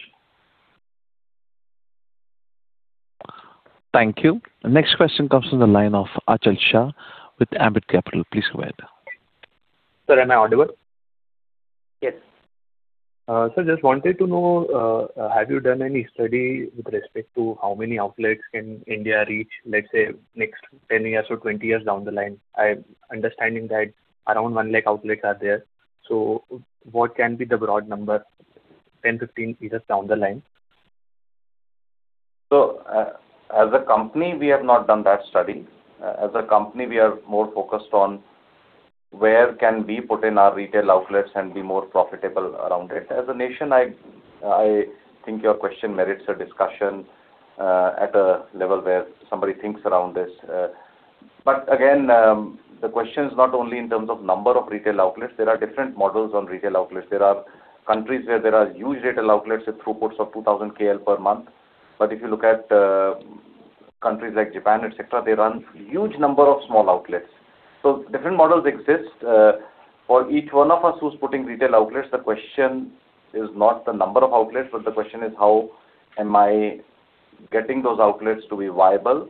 [SPEAKER 1] Thank you. Next question comes from the line of Achal Shah with Ambit Capital. Please go ahead.
[SPEAKER 7] Sir, am I audible? Yes. Sir, just wanted to know, have you done any study with respect to how many outlets can India reach, let's say, next 10 years or 20 years down the line? I'm understanding that around 1 lakh outlets are there. So what can be the broad number, 10, 15 years down the line?
[SPEAKER 3] So as a company, we have not done that study. As a company, we are more focused on where can we put in our retail outlets and be more profitable around it. As a nation, I think your question merits a discussion at a level where somebody thinks around this. But again, the question is not only in terms of number of retail outlets. There are different models on retail outlets. There are countries where there are huge retail outlets with throughputs of 2,000 KL per month. But if you look at countries like Japan, etc., they run a huge number of small outlets. So different models exist. For each one of us who's putting retail outlets, the question is not the number of outlets, but the question is, how am I getting those outlets to be viable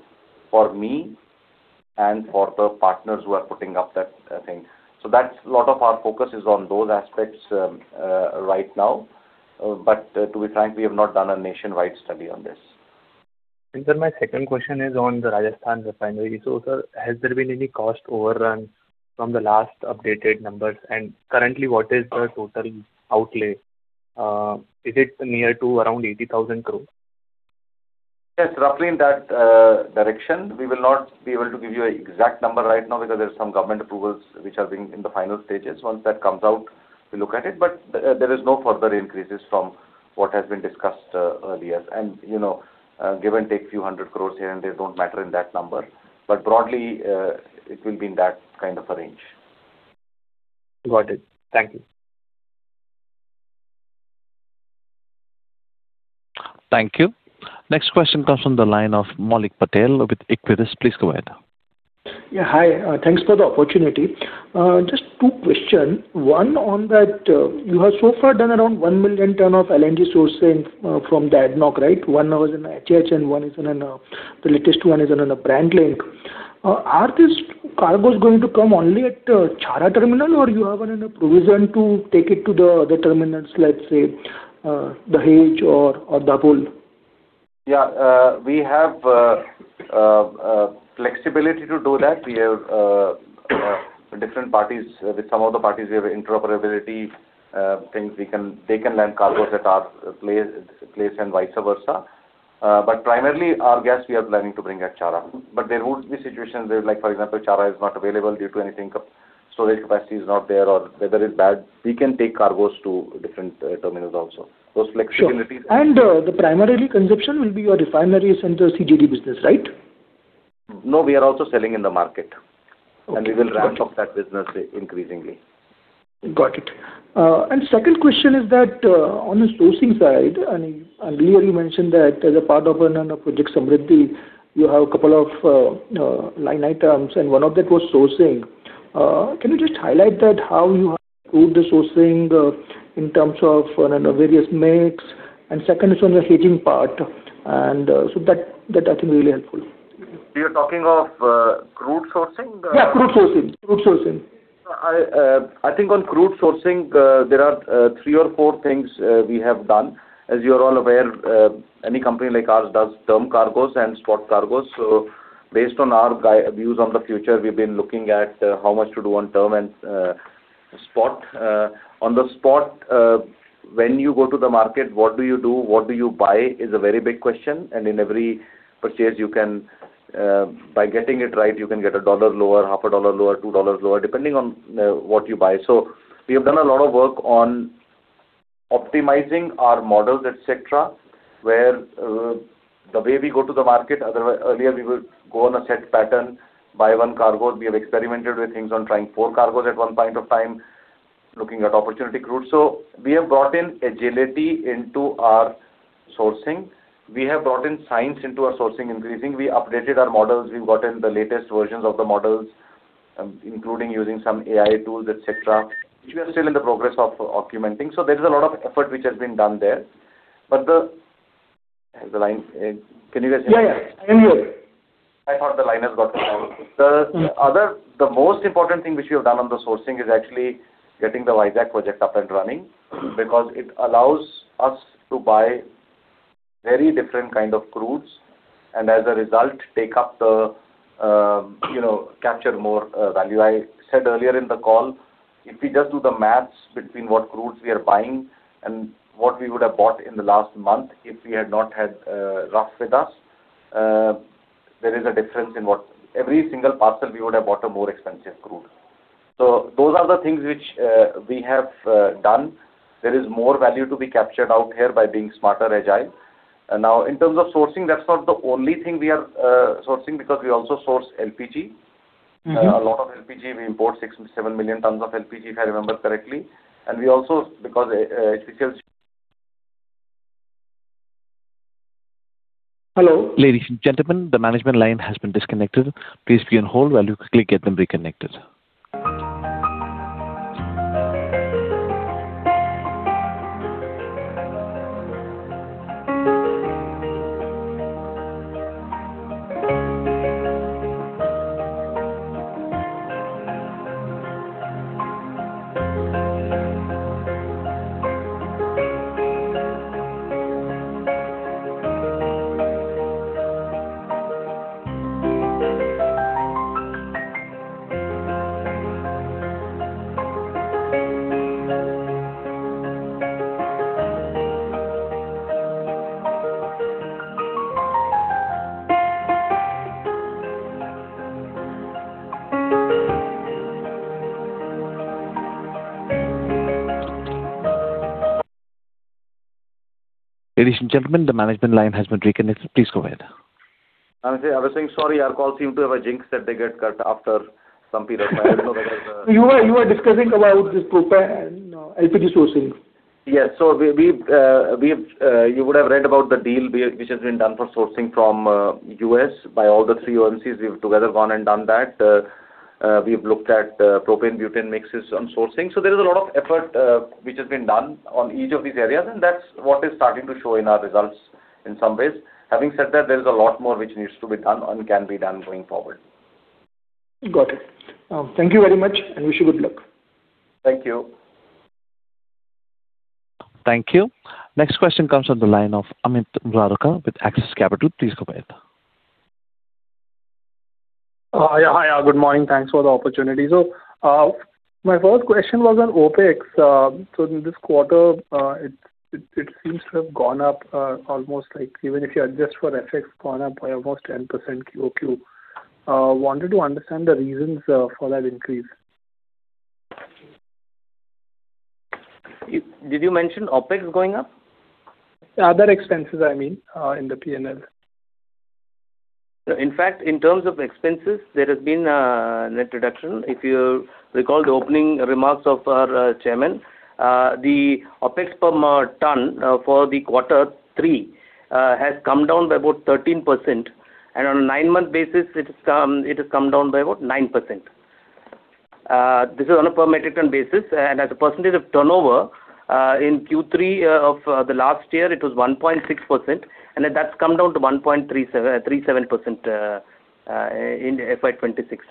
[SPEAKER 3] for me and for the partners who are putting up that thing? So that's a lot of our focus is on those aspects right now. But to be frank, we have not done a nationwide study on this. And sir, my second question is on the Rajasthan refinery. So sir, has there been any cost overrun from the last updated numbers? And currently, what is the total outlay? Is it near to around 80,000 crore? Yes, roughly in that direction. We will not be able to give you an exact number right now because there are some government approvals which are in the final stages. Once that comes out, we'll look at it. But there are no further increases from what has been discussed earlier, and give and take a few hundred crore here and there don't matter in that number. But broadly, it will be in that kind of a range.
[SPEAKER 7] Got it. Thank you.
[SPEAKER 1] Thank you. Next question comes from the line of Maulik Patel with Equirus Securities. Please go ahead.
[SPEAKER 8] Yeah. Hi. Thanks for the opportunity. Just two questions. One on that you have so far done around 1 million tons of LNG sourcing from the ADNOC, right? One was in H1 and the latest one is Brent-linked. Are these cargoes going to come only at Chhara terminal, or do you have a provision to take it to the other terminals, let's say, the Dahej or the Dabhol?
[SPEAKER 3] Yeah. We have flexibility to do that. We have different parties. With some of the parties, we have interoperability things. They can land cargoes at our place and vice versa. But primarily, our gas, we are planning to bring at Chhara. But there would be situations where, for example, Chhara is not available due to anything, storage capacity is not there, or weather is bad. We can take cargoes to different terminals also. Those flexibilities—
[SPEAKER 8] And the primary consumption will be your refineries and the CGD business, right?
[SPEAKER 3] No, we are also selling in the market, and we will ramp up that business increasingly.
[SPEAKER 8] Got it. And second question is that on the sourcing side, earlier you mentioned that as a part of another project, Samriddhi, you have a couple of line items, and one of them was sourcing. Can you just highlight how you have crude sourcing in terms of various mix? And second is on the hedging part. And so that, I think, will be really helpful.
[SPEAKER 3] You're talking of crude sourcing?
[SPEAKER 8] Yeah, crude sourcing. Crude sourcing.
[SPEAKER 3] I think on crude sourcing, there are three or four things we have done. As you are all aware, any company like ours does term cargoes and spot cargoes. So based on our views on the future, we've been looking at how much to do on term and spot. On the spot, when you go to the market, what do you do? What do you buy is a very big question. In every purchase, by getting it right, you can get $1 lower, $0.50 lower, $2 lower, depending on what you buy. We have done a lot of work on optimizing our models, etc., where the way we go to the market, earlier we would go on a set pattern, buy one cargo. We have experimented with things on trying four cargoes at one point of time, looking at opportunity crude. We have brought in agility into our sourcing. We have brought in science into our sourcing increasing. We updated our models. We've gotten the latest versions of the models, including using some AI tools, etc. We are still in the progress of documenting. There is a lot of effort which has been done there. But the line. Can you guys hear me?
[SPEAKER 8] Yeah, yeah. I'm here.
[SPEAKER 3] I thought the line has gotten down. The most important thing which we have done on the sourcing is actually getting the Visakh project up and running because it allows us to buy very different kinds of crudes and, as a result, capture more value. I said earlier in the call, if we just do the math between what crudes we are buying and what we would have bought in the last month if we had not had RUF with us, there is a difference in what every single parcel we would have bought a more expensive crude. So those are the things which we have done. There is more value to be captured out here by being smarter, agile. Now, in terms of sourcing, that's not the only thing we are sourcing because we also source LPG. A lot of LPG. We import seven million tons of LPG, if I remember correctly. And we also, because HPCL has—
[SPEAKER 8] Hello.
[SPEAKER 1] Ladies and gentlemen, the management line has been disconnected. Please be on hold while you quickly get them reconnected. Ladies and gentlemen, the management line has been reconnected. Please go ahead.
[SPEAKER 3] I was saying, sorry, our call seemed to have a jinx that they get cut after some period. I don't know whether.
[SPEAKER 8] You were discussing about this propane LPG sourcing.
[SPEAKER 3] Yes. So you would have read about the deal which has been done for sourcing from U.S. by all the three OMCs. We've together gone and done that. We've looked at propane butane mixes on sourcing. So there is a lot of effort which has been done on each of these areas, and that's what is starting to show in our results in some ways. Having said that, there is a lot more which needs to be done and can be done going forward.
[SPEAKER 8] Got it. Thank you very much, and wish you good luck.
[SPEAKER 3] Thank you.
[SPEAKER 1] Thank you. Next question comes from the line of Amit Murarka with Axis Capital. Please go ahead.
[SPEAKER 9] Hi. Good morning. Thanks for the opportunity. So my first question was on OpEx. So in this quarter, it seems to have gone up almost, even if you adjust for FX, gone up by almost 10% QoQ. Wanted to understand the reasons for that increase.
[SPEAKER 4] Did you mention OpEx going up?
[SPEAKER 9] Other expenses, I mean, in the P&L.
[SPEAKER 4] In fact, in terms of expenses, there has been a net reduction. If you recall the opening remarks of our chairman, the OpEx per ton for the Q3 has come down by about 13%. On a nine-month basis, it has come down by about 9%. This is on a per metric ton basis. As a percentage of turnover, in Q3 of the last year, it was 1.6%. That's come down to 1.37% in FY 2026.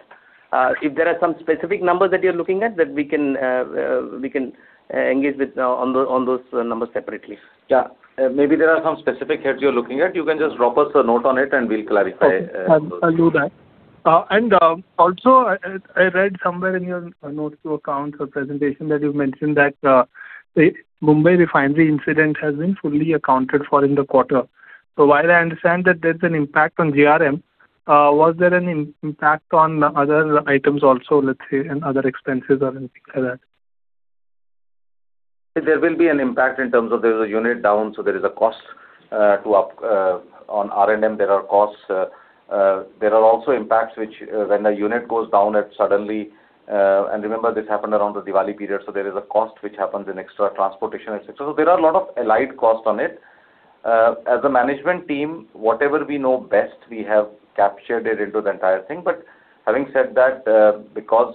[SPEAKER 4] If there are some specific numbers that you're looking at, then we can engage on those numbers separately.
[SPEAKER 3] Yeah. Maybe there are some specifics that you're looking at. You can just drop us a note on it, and we'll clarify.
[SPEAKER 9] I'll do that. Also, I read somewhere in your notes to account for presentation that you've mentioned that the Mumbai refinery incident has been fully accounted for in the quarter. So while I understand that there's an impact on GRM, was there an impact on other items also, let's say, and other expenses or anything like that?
[SPEAKER 3] There will be an impact in terms of there is a unit down, so there is a cost on R&M. There are costs. There are also impacts which when the unit goes down suddenly. And remember, this happened around the Diwali period. So there is a cost which happens in extra transportation, etc. So there are a lot of allied costs on it. As a management team, whatever we know best, we have captured it into the entire thing. But having said that, because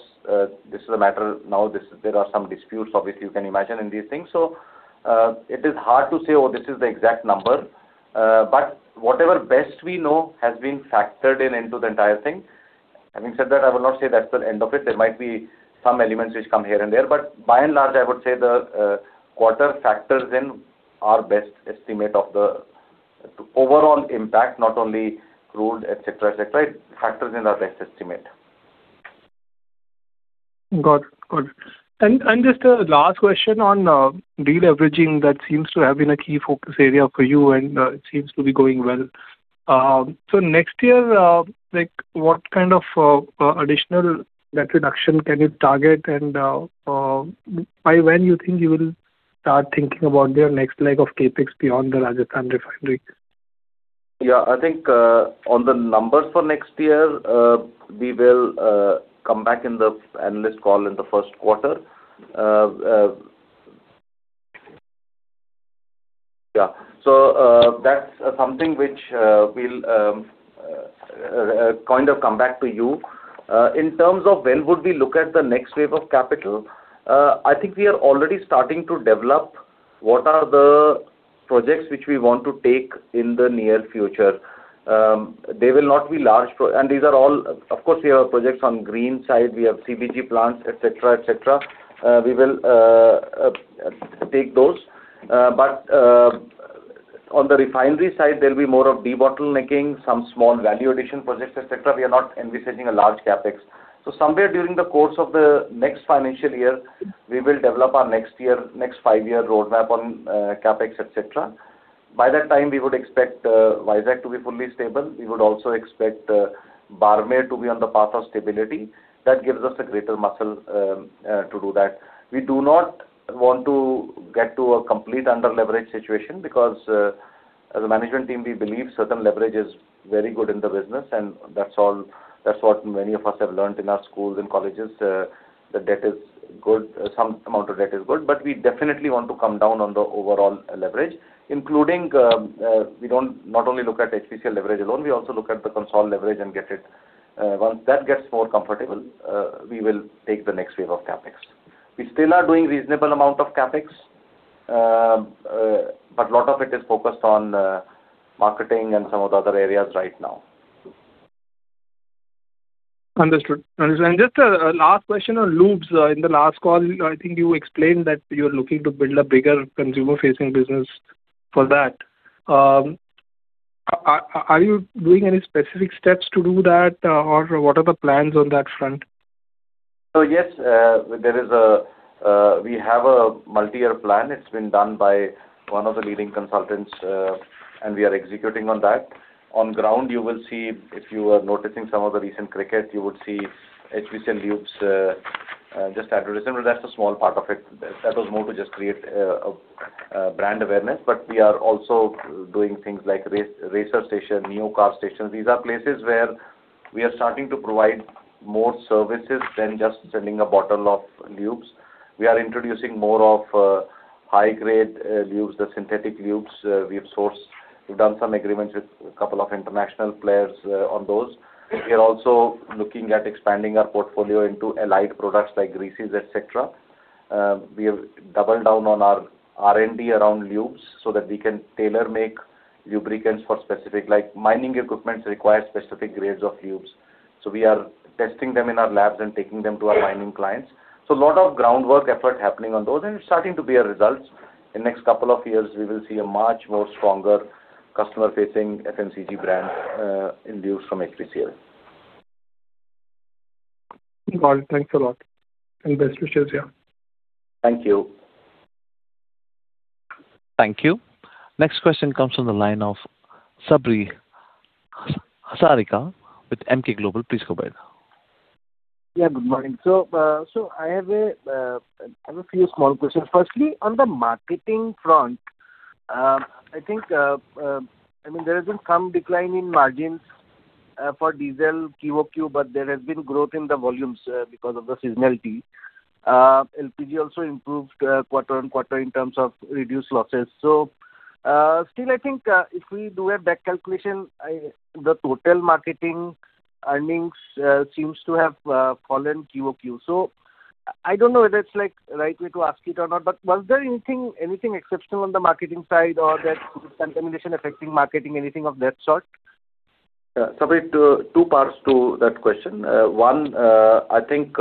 [SPEAKER 3] this is a matter now, there are some disputes, obviously, you can imagine in these things. So it is hard to say, "Oh, this is the exact number." But whatever best we know has been factored into the entire thing. Having said that, I will not say that's the end of it. There might be some elements which come here and there. But by and large, I would say the quarter factors in our best estimate of the overall impact, not only crude, etc., etc. It factors in our best estimate.
[SPEAKER 9] Got it. Got it. And just a last question on deleveraging that seems to have been a key focus area for you, and it seems to be going well. So next year, what kind of additional net reduction can you target, and by when do you think you will start thinking about your next leg of CapEx beyond the Rajasthan refinery?
[SPEAKER 3] Yeah. I think on the numbers for next year, we will come back in the analyst call in the first quarter. Yeah. So that's something which we'll kind of come back to you. In terms of when would we look at the next wave of capital, I think we are already starting to develop what are the projects which we want to take in the near future. They will not be large, and these are all, of course, we have projects on green side. We have CBG plants, etc., etc. We will take those, but on the refinery side, there will be more of de-bottlenecking, some small value addition projects, etc. We are not envisaging a large CapEx, so somewhere during the course of the next financial year, we will develop our next year, next five-year roadmap on CapEx, etc. By that time, we would expect Visakh to be fully stable. We would also expect Barmer to be on the path of stability. That gives us a greater muscle to do that. We do not want to get to a complete under-leveraged situation because, as a management team, we believe certain leverage is very good in the business, and that's what many of us have learned in our schools and colleges, that debt is good. Some amount of debt is good. But we definitely want to come down on the overall leverage, including we don't not only look at HPCL leverage alone. We also look at the consolidated leverage and get it. Once that gets more comfortable, we will take the next wave of CapEx. We still are doing a reasonable amount of CapEx, but a lot of it is focused on marketing and some of the other areas right now.
[SPEAKER 9] Understood. Understood, and just a last question on LPG. In the last call, I think you explained that you are looking to build a bigger consumer-facing business for that. Are you doing any specific steps to do that, or what are the plans on that front?
[SPEAKER 3] So yes, we have a multi-year plan. It's been done by one of the leading consultants, and we are executing on that. On ground, you will see if you are noticing some of the recent cricket, you would see HPCL logos just advertising. But that's a small part of it. That was more to just create brand awareness. But we are also doing things like Racer station, neocar stations. These are places where we are starting to provide more services than just sending a bottle of lubes. We are introducing more of high-grade lubes, the synthetic lubes. We've done some agreements with a couple of international players on those. We are also looking at expanding our portfolio into allied products like greases, etc. We have doubled down on our R&D around lubes so that we can tailor-make lubricants for specific mining equipments that require specific grades of lubes. So we are testing them in our labs and taking them to our mining clients. So a lot of groundwork effort happening on those, and it's starting to be a result. In the next couple of years, we will see a much more stronger customer-facing FMCG brand in lubes from HPCL.
[SPEAKER 9] Got it. Thanks a lot. And best wishes here.
[SPEAKER 3] Thank you.
[SPEAKER 1] Thank you. Next question comes from the line of Sabri Hazarika with Emkay Global. Please go ahead.
[SPEAKER 10] Yeah. Good morning. So I have a few small questions. Firstly, on the marketing front, I think, I mean, there has been some decline in margins for diesel QoQ, but there has been growth in the volumes because of the seasonality. LPG also improved quarter-on-quarter in terms of reduced losses. So still, I think if we do a back calculation, the total marketing earnings seems to have fallen QoQ. So I don't know whether it's the right way to ask it or not, but was there anything exceptional on the marketing side or that contamination affecting marketing, anything of that sort?
[SPEAKER 4] Yeah. So two parts to that question. One, I think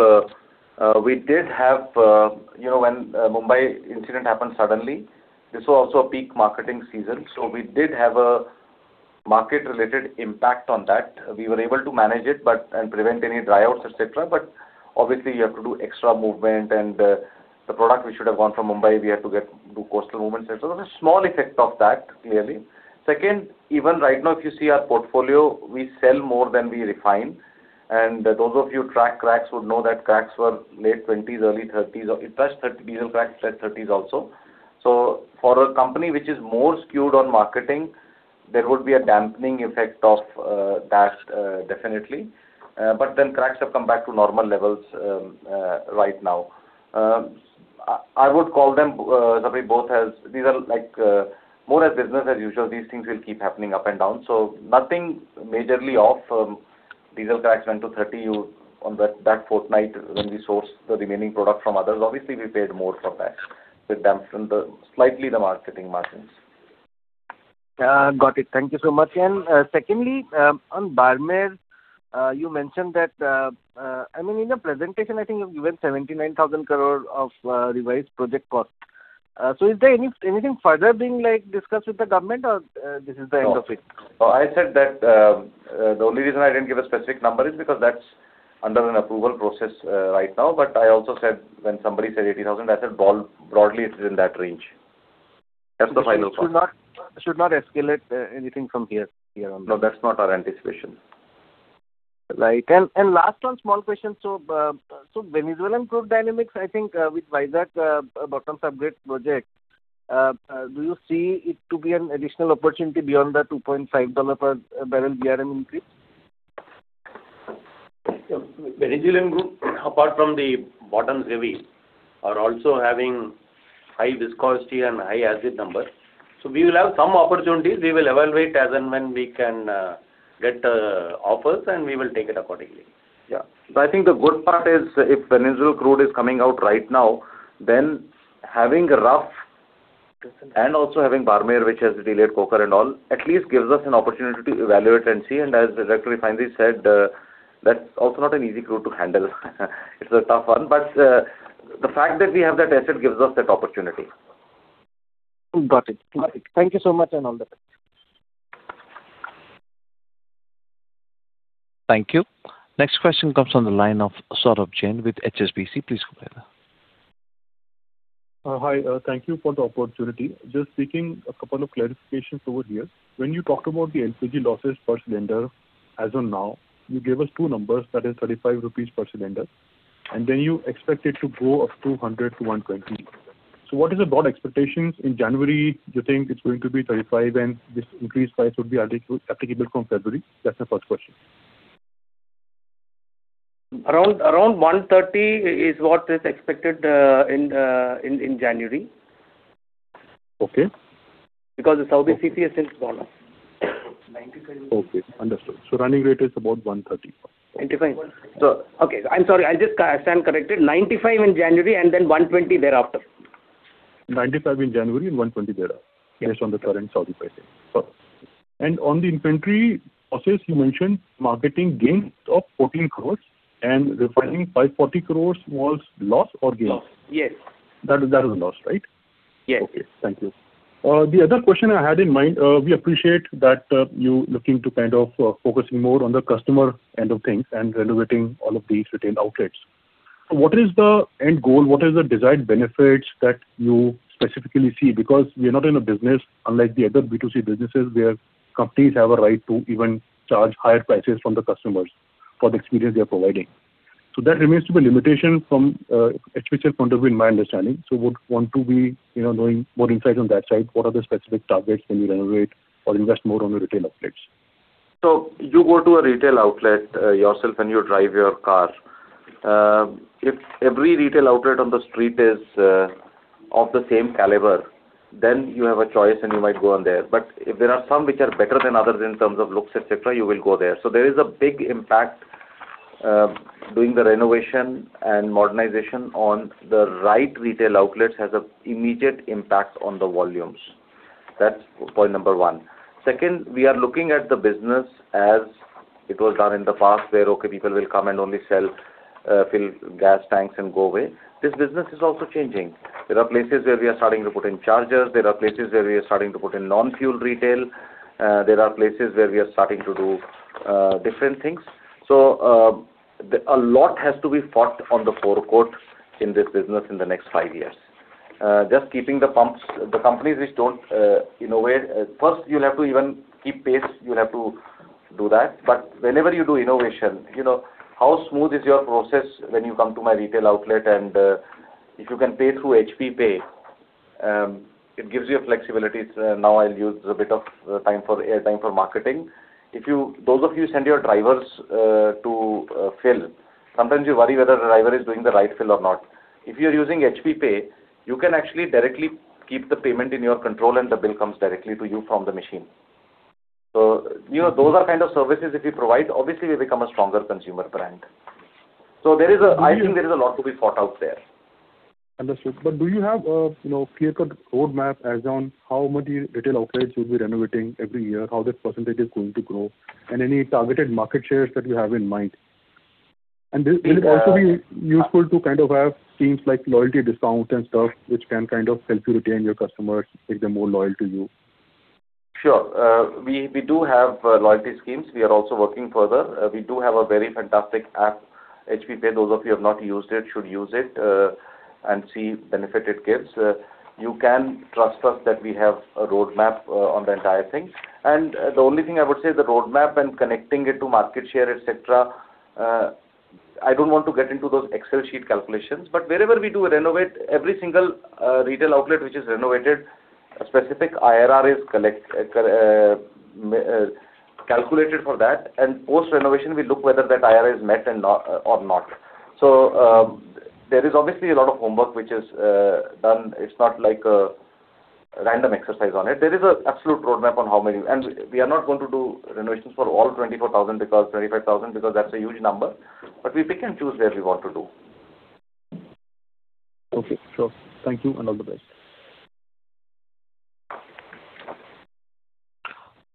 [SPEAKER 4] we did have, when Mumbai incident happened suddenly, this was also a peak marketing season. So we did have a market-related impact on that. We were able to manage it and prevent any dryouts, etc. But obviously, you have to do extra movement, and the product we should have gone from Mumbai, we had to do coastal movements, etc. There's a small effect of that, clearly. Second, even right now, if you see our portfolio, we sell more than we refine. And those of you who track cracks would know that cracks were late 20s, early 30s. It touched diesel cracks in the late 30s also. So for a company which is more skewed on marketing, there would be a dampening effect of that, definitely. But then cracks have come back to normal levels right now. I would call them, Sabri. Both of these are more or less business as usual. These things will keep happening up and down. So nothing majorly off. Diesel cracks went to 30 on that fortnight when we sourced the remaining product from others. Obviously, we paid more for that with slightly thinner marketing margins.
[SPEAKER 10] Got it. Thank you so much. And secondly, on Barmer, you mentioned that, I mean, in the presentation, I think you've given 79,000 crore of revised project cost. So is there anything further being discussed with the government, or this is the end of it?
[SPEAKER 3] No. I said that the only reason I didn't give a specific number is because that's under an approval process right now. But I also said when somebody said 80,000, I said broadly, it is in that range. That's the final thought. So you should not escalate anything from here on? No, that's not our anticipation.
[SPEAKER 10] Right. And last one, small question. So Venezuelan crude dynamics, I think with Visakh bottoms upgrade project, do you see it to be an additional opportunity beyond the $2.5 per barrel GRM increase? Venezuelan crude, apart from the bottoms heavy, are also having high viscosity and high acid number.
[SPEAKER 3] So we will have some opportunities. We will evaluate as and when we can get offers, and we will take it accordingly. Yeah. But I think the good part is if Venezuelan crude is coming out right now, then having a rough and also having Barmer, which has delayed coker and all, at least gives us an opportunity to evaluate and see. And as the director of refinery said, that's also not an easy crude to handle. It's a tough one. But the fact that we have that asset gives us that opportunity.
[SPEAKER 10] Got it. Got it. Thank you so much and all the best.
[SPEAKER 1] Thank you. Next question comes from the line of Saurabh Jain with HSBC. Please go ahead.
[SPEAKER 11] Hi. Thank you for the opportunity. Just speaking a couple of clarifications over here. When you talked about the LPG losses per cylinder as of now, you gave us two numbers. That is 35 rupees per cylinder. And then you expect it to go up to 100-120. So what is the broad expectations in January? You think it's going to be 35, and this increased price would be applicable from February? That's my first question.
[SPEAKER 4] Around 130 is what is expected in January. Okay. Because the Saudi CP has since gone up.
[SPEAKER 11] Okay. Understood. So running rate is about 130. Okay.
[SPEAKER 4] I'm sorry. I just stand corrected. 95 in January and then 120 thereafter.
[SPEAKER 11] 95 in January and 120 thereafter, based on the current Saudi pricing. And on the inventory process, you mentioned marketing gains of 14 crore and refining 540 crore was loss or gain?
[SPEAKER 4] Yes.
[SPEAKER 11] That was a loss, right?
[SPEAKER 4] Yes.
[SPEAKER 11] Okay. Thank you. The other question I had in mind, we appreciate that you're looking to kind of focus more on the customer end of things and renovating all of these retail outlets. So what is the end goal? What is the desired benefits that you specifically see? Because we are not in a business, unlike the other B2C businesses, where companies have a right to even charge higher prices from the customers for the experience they are providing. So that remains to be a limitation from HPCL point of view, in my understanding. So we would want to be knowing more insight on that side. What are the specific targets when you renovate or invest more on the retail outlets?
[SPEAKER 3] So you go to a retail outlet yourself, and you drive your car. If every retail outlet on the street is of the same caliber, then you have a choice, and you might go on there, but if there are some which are better than others in terms of looks, etc., you will go there, so there is a big impact. Doing the renovation and modernization on the right retail outlets has an immediate impact on the volumes. That's point number one. Second, we are looking at the business as it was done in the past, where, okay, people will come and only fill gas tanks and go away. This business is also changing. There are places where we are starting to put in chargers. There are places where we are starting to put in non-fuel retail. There are places where we are starting to do different things. So a lot has to be fought on the forecourt in this business in the next five years. Just keeping the pumps, the companies which don't innovate, first, you'll have to even keep pace. You'll have to do that. But whenever you do innovation, how smooth is your process when you come to my retail outlet? And if you can pay through HP Pay, it gives you flexibility. Now I'll use a bit of time for marketing. Those of you who send your drivers to fill, sometimes you worry whether the driver is doing the right fill or not. If you're using HP Pay, you can actually directly keep the payment in your control, and the bill comes directly to you from the machine. So those are kind of services if you provide. Obviously, we become a stronger consumer brand. So I think there is a lot to be fought out there.
[SPEAKER 11] Understood. But do you have a clear-cut roadmap as on how many retail outlets you'll be renovating every year, how that percentage is going to grow, and any targeted market shares that you have in mind? And will it also be useful to kind of have schemes like loyalty discounts and stuff, which can kind of help you retain your customers, make them more loyal to you?
[SPEAKER 3] Sure. We do have loyalty schemes. We are also working further. We do have a very fantastic app, HP Pay. Those of you who have not used it should use it and see the benefit it gives. You can trust us that we have a roadmap on the entire thing. And the only thing I would say, the roadmap and connecting it to market share, etc., I don't want to get into those Excel sheet calculations. But wherever we do renovate, every single retail outlet which is renovated, a specific IRR is calculated for that. And post-renovation, we look whether that IRR is met or not. So there is obviously a lot of homework which is done. It's not like a random exercise on it. There is an absolute roadmap on how many. And we are not going to do renovations for all 24,000 because 25,000 because that's a huge number. But we pick and choose where we want to do.
[SPEAKER 11] Okay. Sure. Thank you and all the best.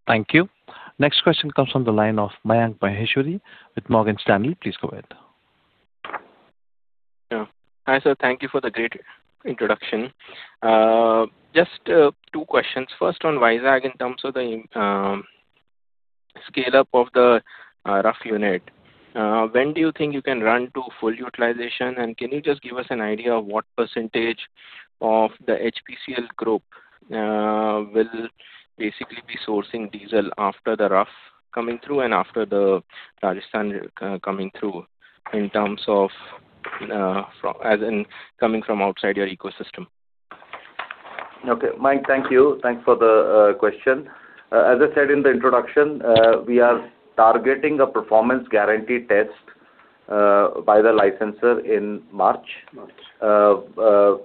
[SPEAKER 1] Thank you. Next question comes from the line of Mayank Maheshwari with Morgan Stanley. Please go ahead.
[SPEAKER 12] Yeah. Hi, sir. Thank you for the great introduction. Just two questions. First, on Visakh in terms of the scale-up of the RUF unit, when do you think you can run to full utilization? And can you just give us an idea of what percentage of the HPCL group will basically be sourcing diesel after the RUF coming through and after the Rajasthan coming through in terms of coming from outside your ecosystem?
[SPEAKER 3] Okay. Mayank, thank you. Thanks for the question. As I said in the introduction, we are targeting a Performance Guarantee Test by the licensor in March.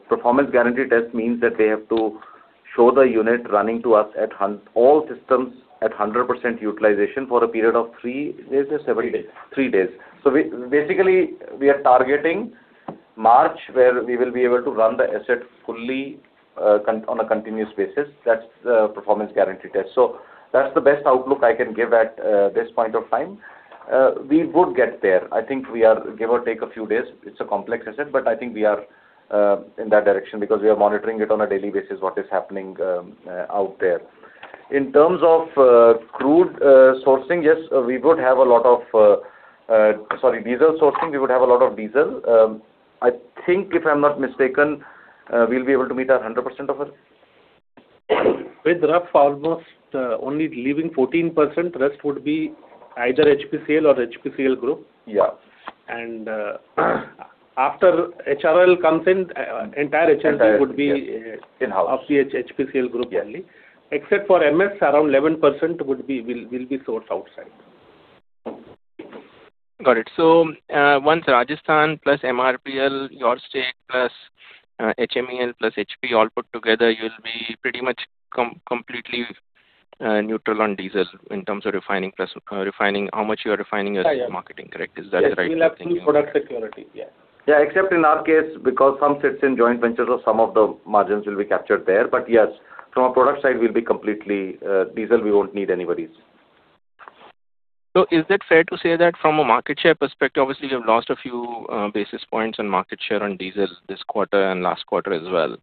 [SPEAKER 3] Performance Guarantee Test means that they have to show the unit running to us at all systems at 100% utilization for a period of three days. Three days. Three days. So basically, we are targeting March, where we will be able to run the asset fully on a continuous basis. That's the Performance Guarantee Test. So that's the best outlook I can give at this point of time. We would get there. I think we are, give or take, a few days. It's a complex asset, but I think we are in that direction because we are monitoring it on a daily basis, what is happening out there. In terms of crude sourcing, yes, we would have a lot of, sorry, diesel sourcing. We would have a lot of diesel. I think, if I'm not mistaken, we'll be able to meet 100% of it. With RUF, almost only leaving 14%, the rest would be either HPCL or HPCL group. And after HRRL comes in, entire LPG would be of the HPCL group only. Except for MS, around 11% will be sourced outside.
[SPEAKER 12] Got it. So once Rajasthan plus MRPL, your state plus HMEL plus HP all put together, you'll be pretty much completely neutral on diesel in terms of refining how much you are refining as you're marketing. Correct? Is that the right thing?
[SPEAKER 3] Yeah. We'll have full product security. Yeah.
[SPEAKER 4] Yeah. Except in our case, because some sits in joint ventures or some of the margins will be captured there. But yes, from a product side, we'll be completely diesel. We won't need anybody's.
[SPEAKER 12] So is it fair to say that from a market share perspective, obviously, we have lost a few basis points on market share on diesel this quarter and last quarter as well?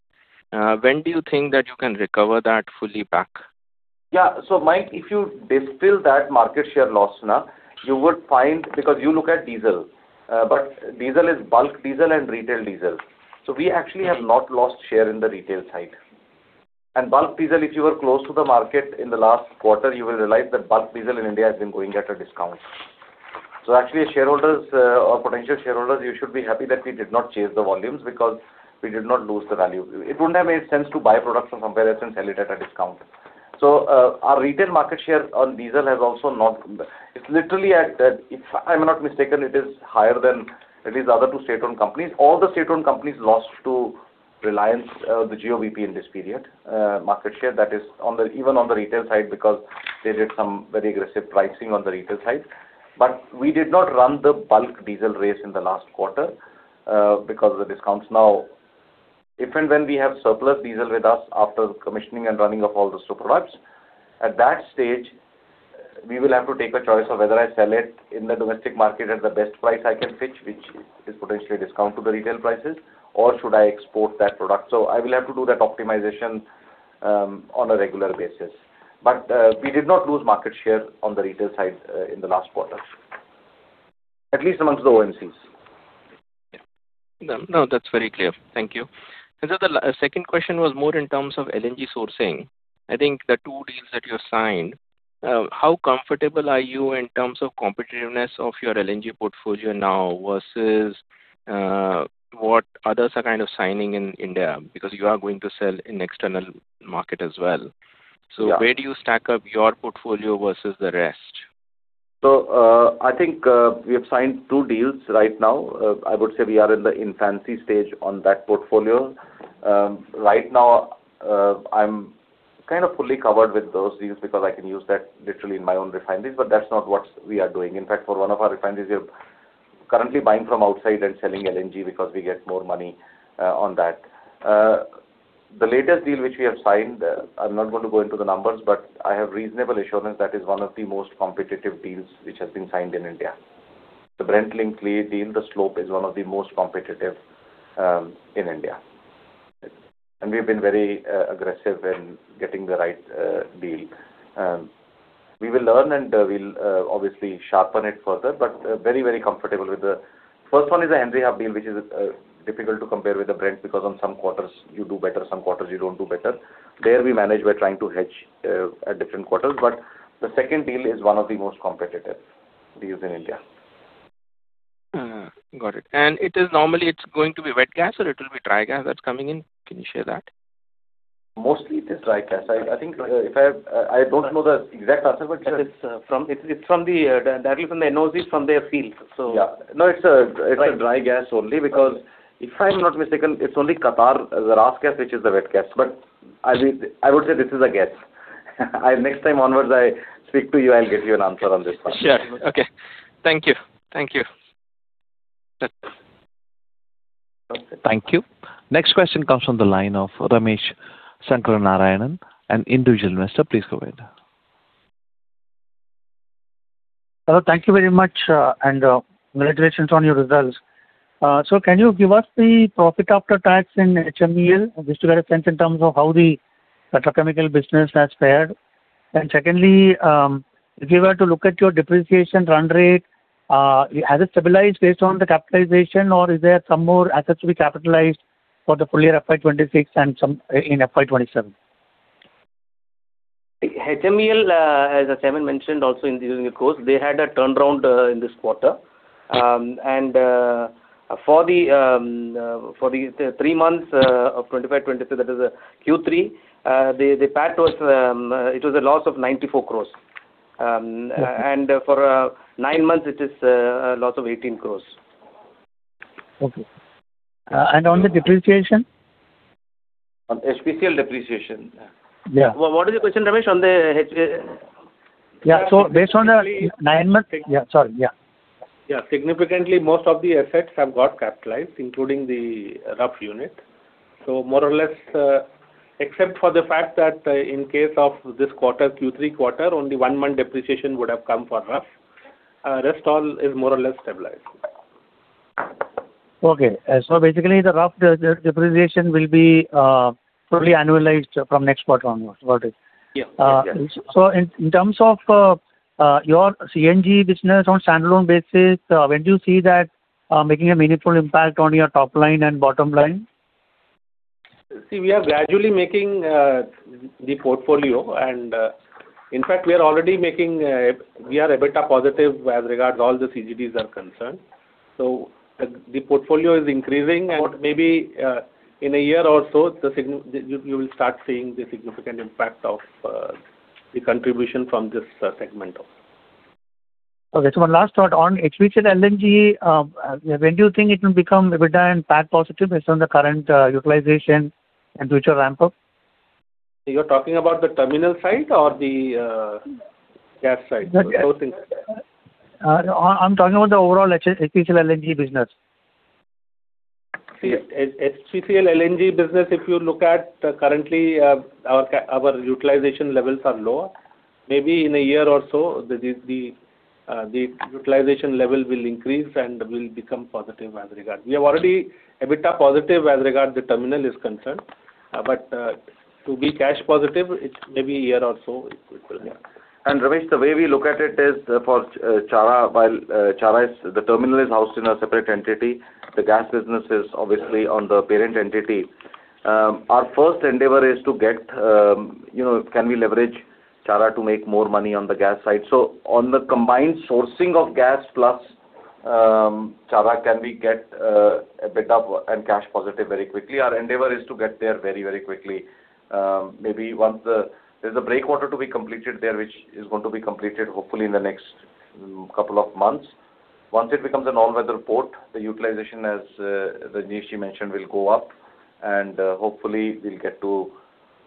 [SPEAKER 12] When do you think that you can recover that fully back?
[SPEAKER 4] Yeah. So Mayank, if you distill that market share loss now, you would find because you look at diesel. But diesel is bulk diesel and retail diesel. So we actually have not lost share in the retail side. And bulk diesel, if you were close to the market in the last quarter, you will realize that bulk diesel in India has been going at a discount. So actually, shareholders or potential shareholders, you should be happy that we did not chase the volumes because we did not lose the value. It wouldn't have made sense to buy products from somewhere else and sell it at a discount. So our retail market share on diesel has also not. It's literally at, if I'm not mistaken, it is higher than at least other two state-owned companies. All the state-owned companies lost to Reliance, Nayara in this period, market share that is even on the retail side because they did some very aggressive pricing on the retail side. But we did not run the bulk diesel race in the last quarter because of the discounts. Now, if and when we have surplus diesel with us after commissioning and running of all the products, at that stage, we will have to take a choice of whether I sell it in the domestic market at the best price I can pitch, which is potentially a discount to the retail prices, or should I export that product? So I will have to do that optimization on a regular basis. But we did not lose market share on the retail side in the last quarter, at least amongst the OMCs.
[SPEAKER 12] No, that's very clear. Thank you. And so the second question was more in terms of LNG sourcing. I think the two deals that you have signed, how comfortable are you in terms of competitiveness of your LNG portfolio now versus what others are kind of signing in India? Because you are going to sell in external market as well. So where do you stack up your portfolio versus the rest?
[SPEAKER 4] So I think we have signed two deals right now. I would say we are in the infancy stage on that portfolio. Right now, I'm kind of fully covered with those deals because I can use that literally in my own refineries. But that's not what we are doing. In fact, for one of our refineries, we are currently buying from outside and selling LNG because we get more money on that. The latest deal which we have signed, I'm not going to go into the numbers, but I have reasonable assurance that it is one of the most competitive deals which has been signed in India. The Brent-linked deal, the slope is one of the most competitive in India. And we've been very aggressive in getting the right deal. We will learn and we'll obviously sharpen it further. But very, very comfortable with the first one is a Henry Hub deal, which is difficult to compare with the Brent because on some quarters, you do better. Some quarters, you don't do better. There we manage by trying to hedge at different quarters. But the second deal is one of the most competitive deals in India.
[SPEAKER 12] Got it. And normally, it's going to be wet gas or it will be dry gas that's coming in? Can you share that?
[SPEAKER 4] Mostly, it is dry gas. I think I don't know the exact answer, but yes. It's from the ADNOC, from their field. So it's dry gas only because if I'm not mistaken, it's only Qatar's gas, which is the wet gas. But I would say this is a guess. Next time onwards, I speak to you, I'll give you an answer on this one.
[SPEAKER 12] Sure. Okay. Thank you. Thank you.
[SPEAKER 1] Thank you. Next question comes from the line of Ramesh Shankaranarayan, an individual investor. Please go ahead. Hello. Thank you very much and congratulations on your results. So can you give us the profit after tax in HMEL, which you got a sense in terms of how the petrochemical business has fared? Secondly, if you were to look at your depreciation run rate, has it stabilized based on the capitalization, or is there some more assets to be capitalized for the full year FY 2026 and in FY 2027?
[SPEAKER 4] HMEL, as I mentioned also in the earlier calls, they had a turnaround in this quarter. For the three months of 2023, that is Q3, the PAT was a loss of 94 crore. For nine months, it is a loss of 18 crore. Okay. And on the depreciation? On HPCL depreciation. What is the question, Ramesh? On the. So based on the nine months. Sorry. Significantly, most of the assets have got capitalized, including the RUF unit. So more or less, except for the fact that in case of this quarter, Q3 quarter, only one month depreciation would have come for RUF. The rest all is more or less stabilized. Okay. So basically, the RUF depreciation will be fully annualized from next quarter onwards. Got it. Yeah. So in terms of your CNG business on standalone basis, when do you see that making a meaningful impact on your top line and bottom line? See, we are gradually making the portfolio. And in fact, we are already making—we are EBITDA positive as regards all the CGDs are concerned. So the portfolio is increasing. But maybe in a year or so, you will start seeing the significant impact of the contribution from this segment. Okay. So one last thought on HPCL LNG. When do you think it will become EBITDA and PAT positive based on the current utilization and future ramp-up? You're talking about the terminal side or the gas side? Both things. I'm talking about the overall HPCL LNG business. See, HPCL LNG business, if you look at currently, our utilization levels are lower. Maybe in a year or so, the utilization level will increase and will become positive as regards. We have already EBITDA positive as regards the terminal is concerned. But to be cash positive, it may be a year or so. And Ramesh, the way we look at it is for Chhara while Chhara is the terminal is housed in a separate entity. The gas business is obviously on the parent entity. Our first endeavor is to get. Can we leverage Chhara to make more money on the gas side? So on the combined sourcing of gas plus Chhara, can we get EBITDA and cash positive very quickly? Our endeavor is to get there very, very quickly. Maybe there's a breakwater to be completed there, which is going to be completed, hopefully, in the next couple of months. Once it becomes an all-weather port, the utilization, as Rajneesh mentioned, will go up, and hopefully, we'll get to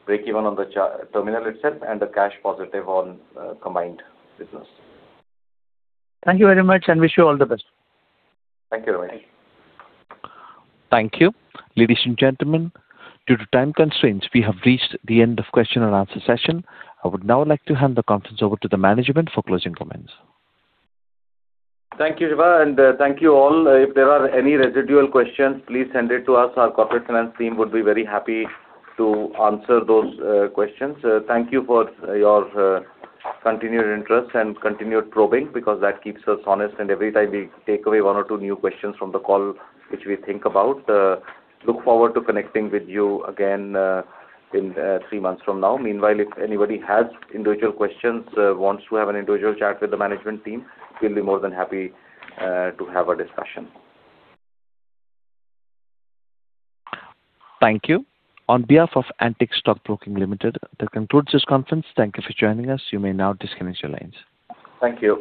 [SPEAKER 4] break even on the terminal itself and the cash positive on combined business. Thank you very much and wish you all the best.
[SPEAKER 3] Thank you, Ramesh.
[SPEAKER 1] Thank you. Thank you. Ladies and gentlemen, due to time constraints, we have reached the end of question-and-answer session. I would now like to hand the conference over to the management for closing comments.
[SPEAKER 3] Thank you, Siva, and thank you all. If there are any residual questions, please send it to us. Our corporate finance team would be very happy to answer those questions. Thank you for your continued interest and continued probing because that keeps us honest. And every time we take away one or two new questions from the call, which we think about, look forward to connecting with you again in three months from now. Meanwhile, if anybody has individual questions, wants to have an individual chat with the management team, we'll be more than happy to have a discussion.
[SPEAKER 1] Thank you. On behalf of Antique Stock Broking Limited, that concludes this conference. Thank you for joining us. You may now disconnect your lines. Thank you.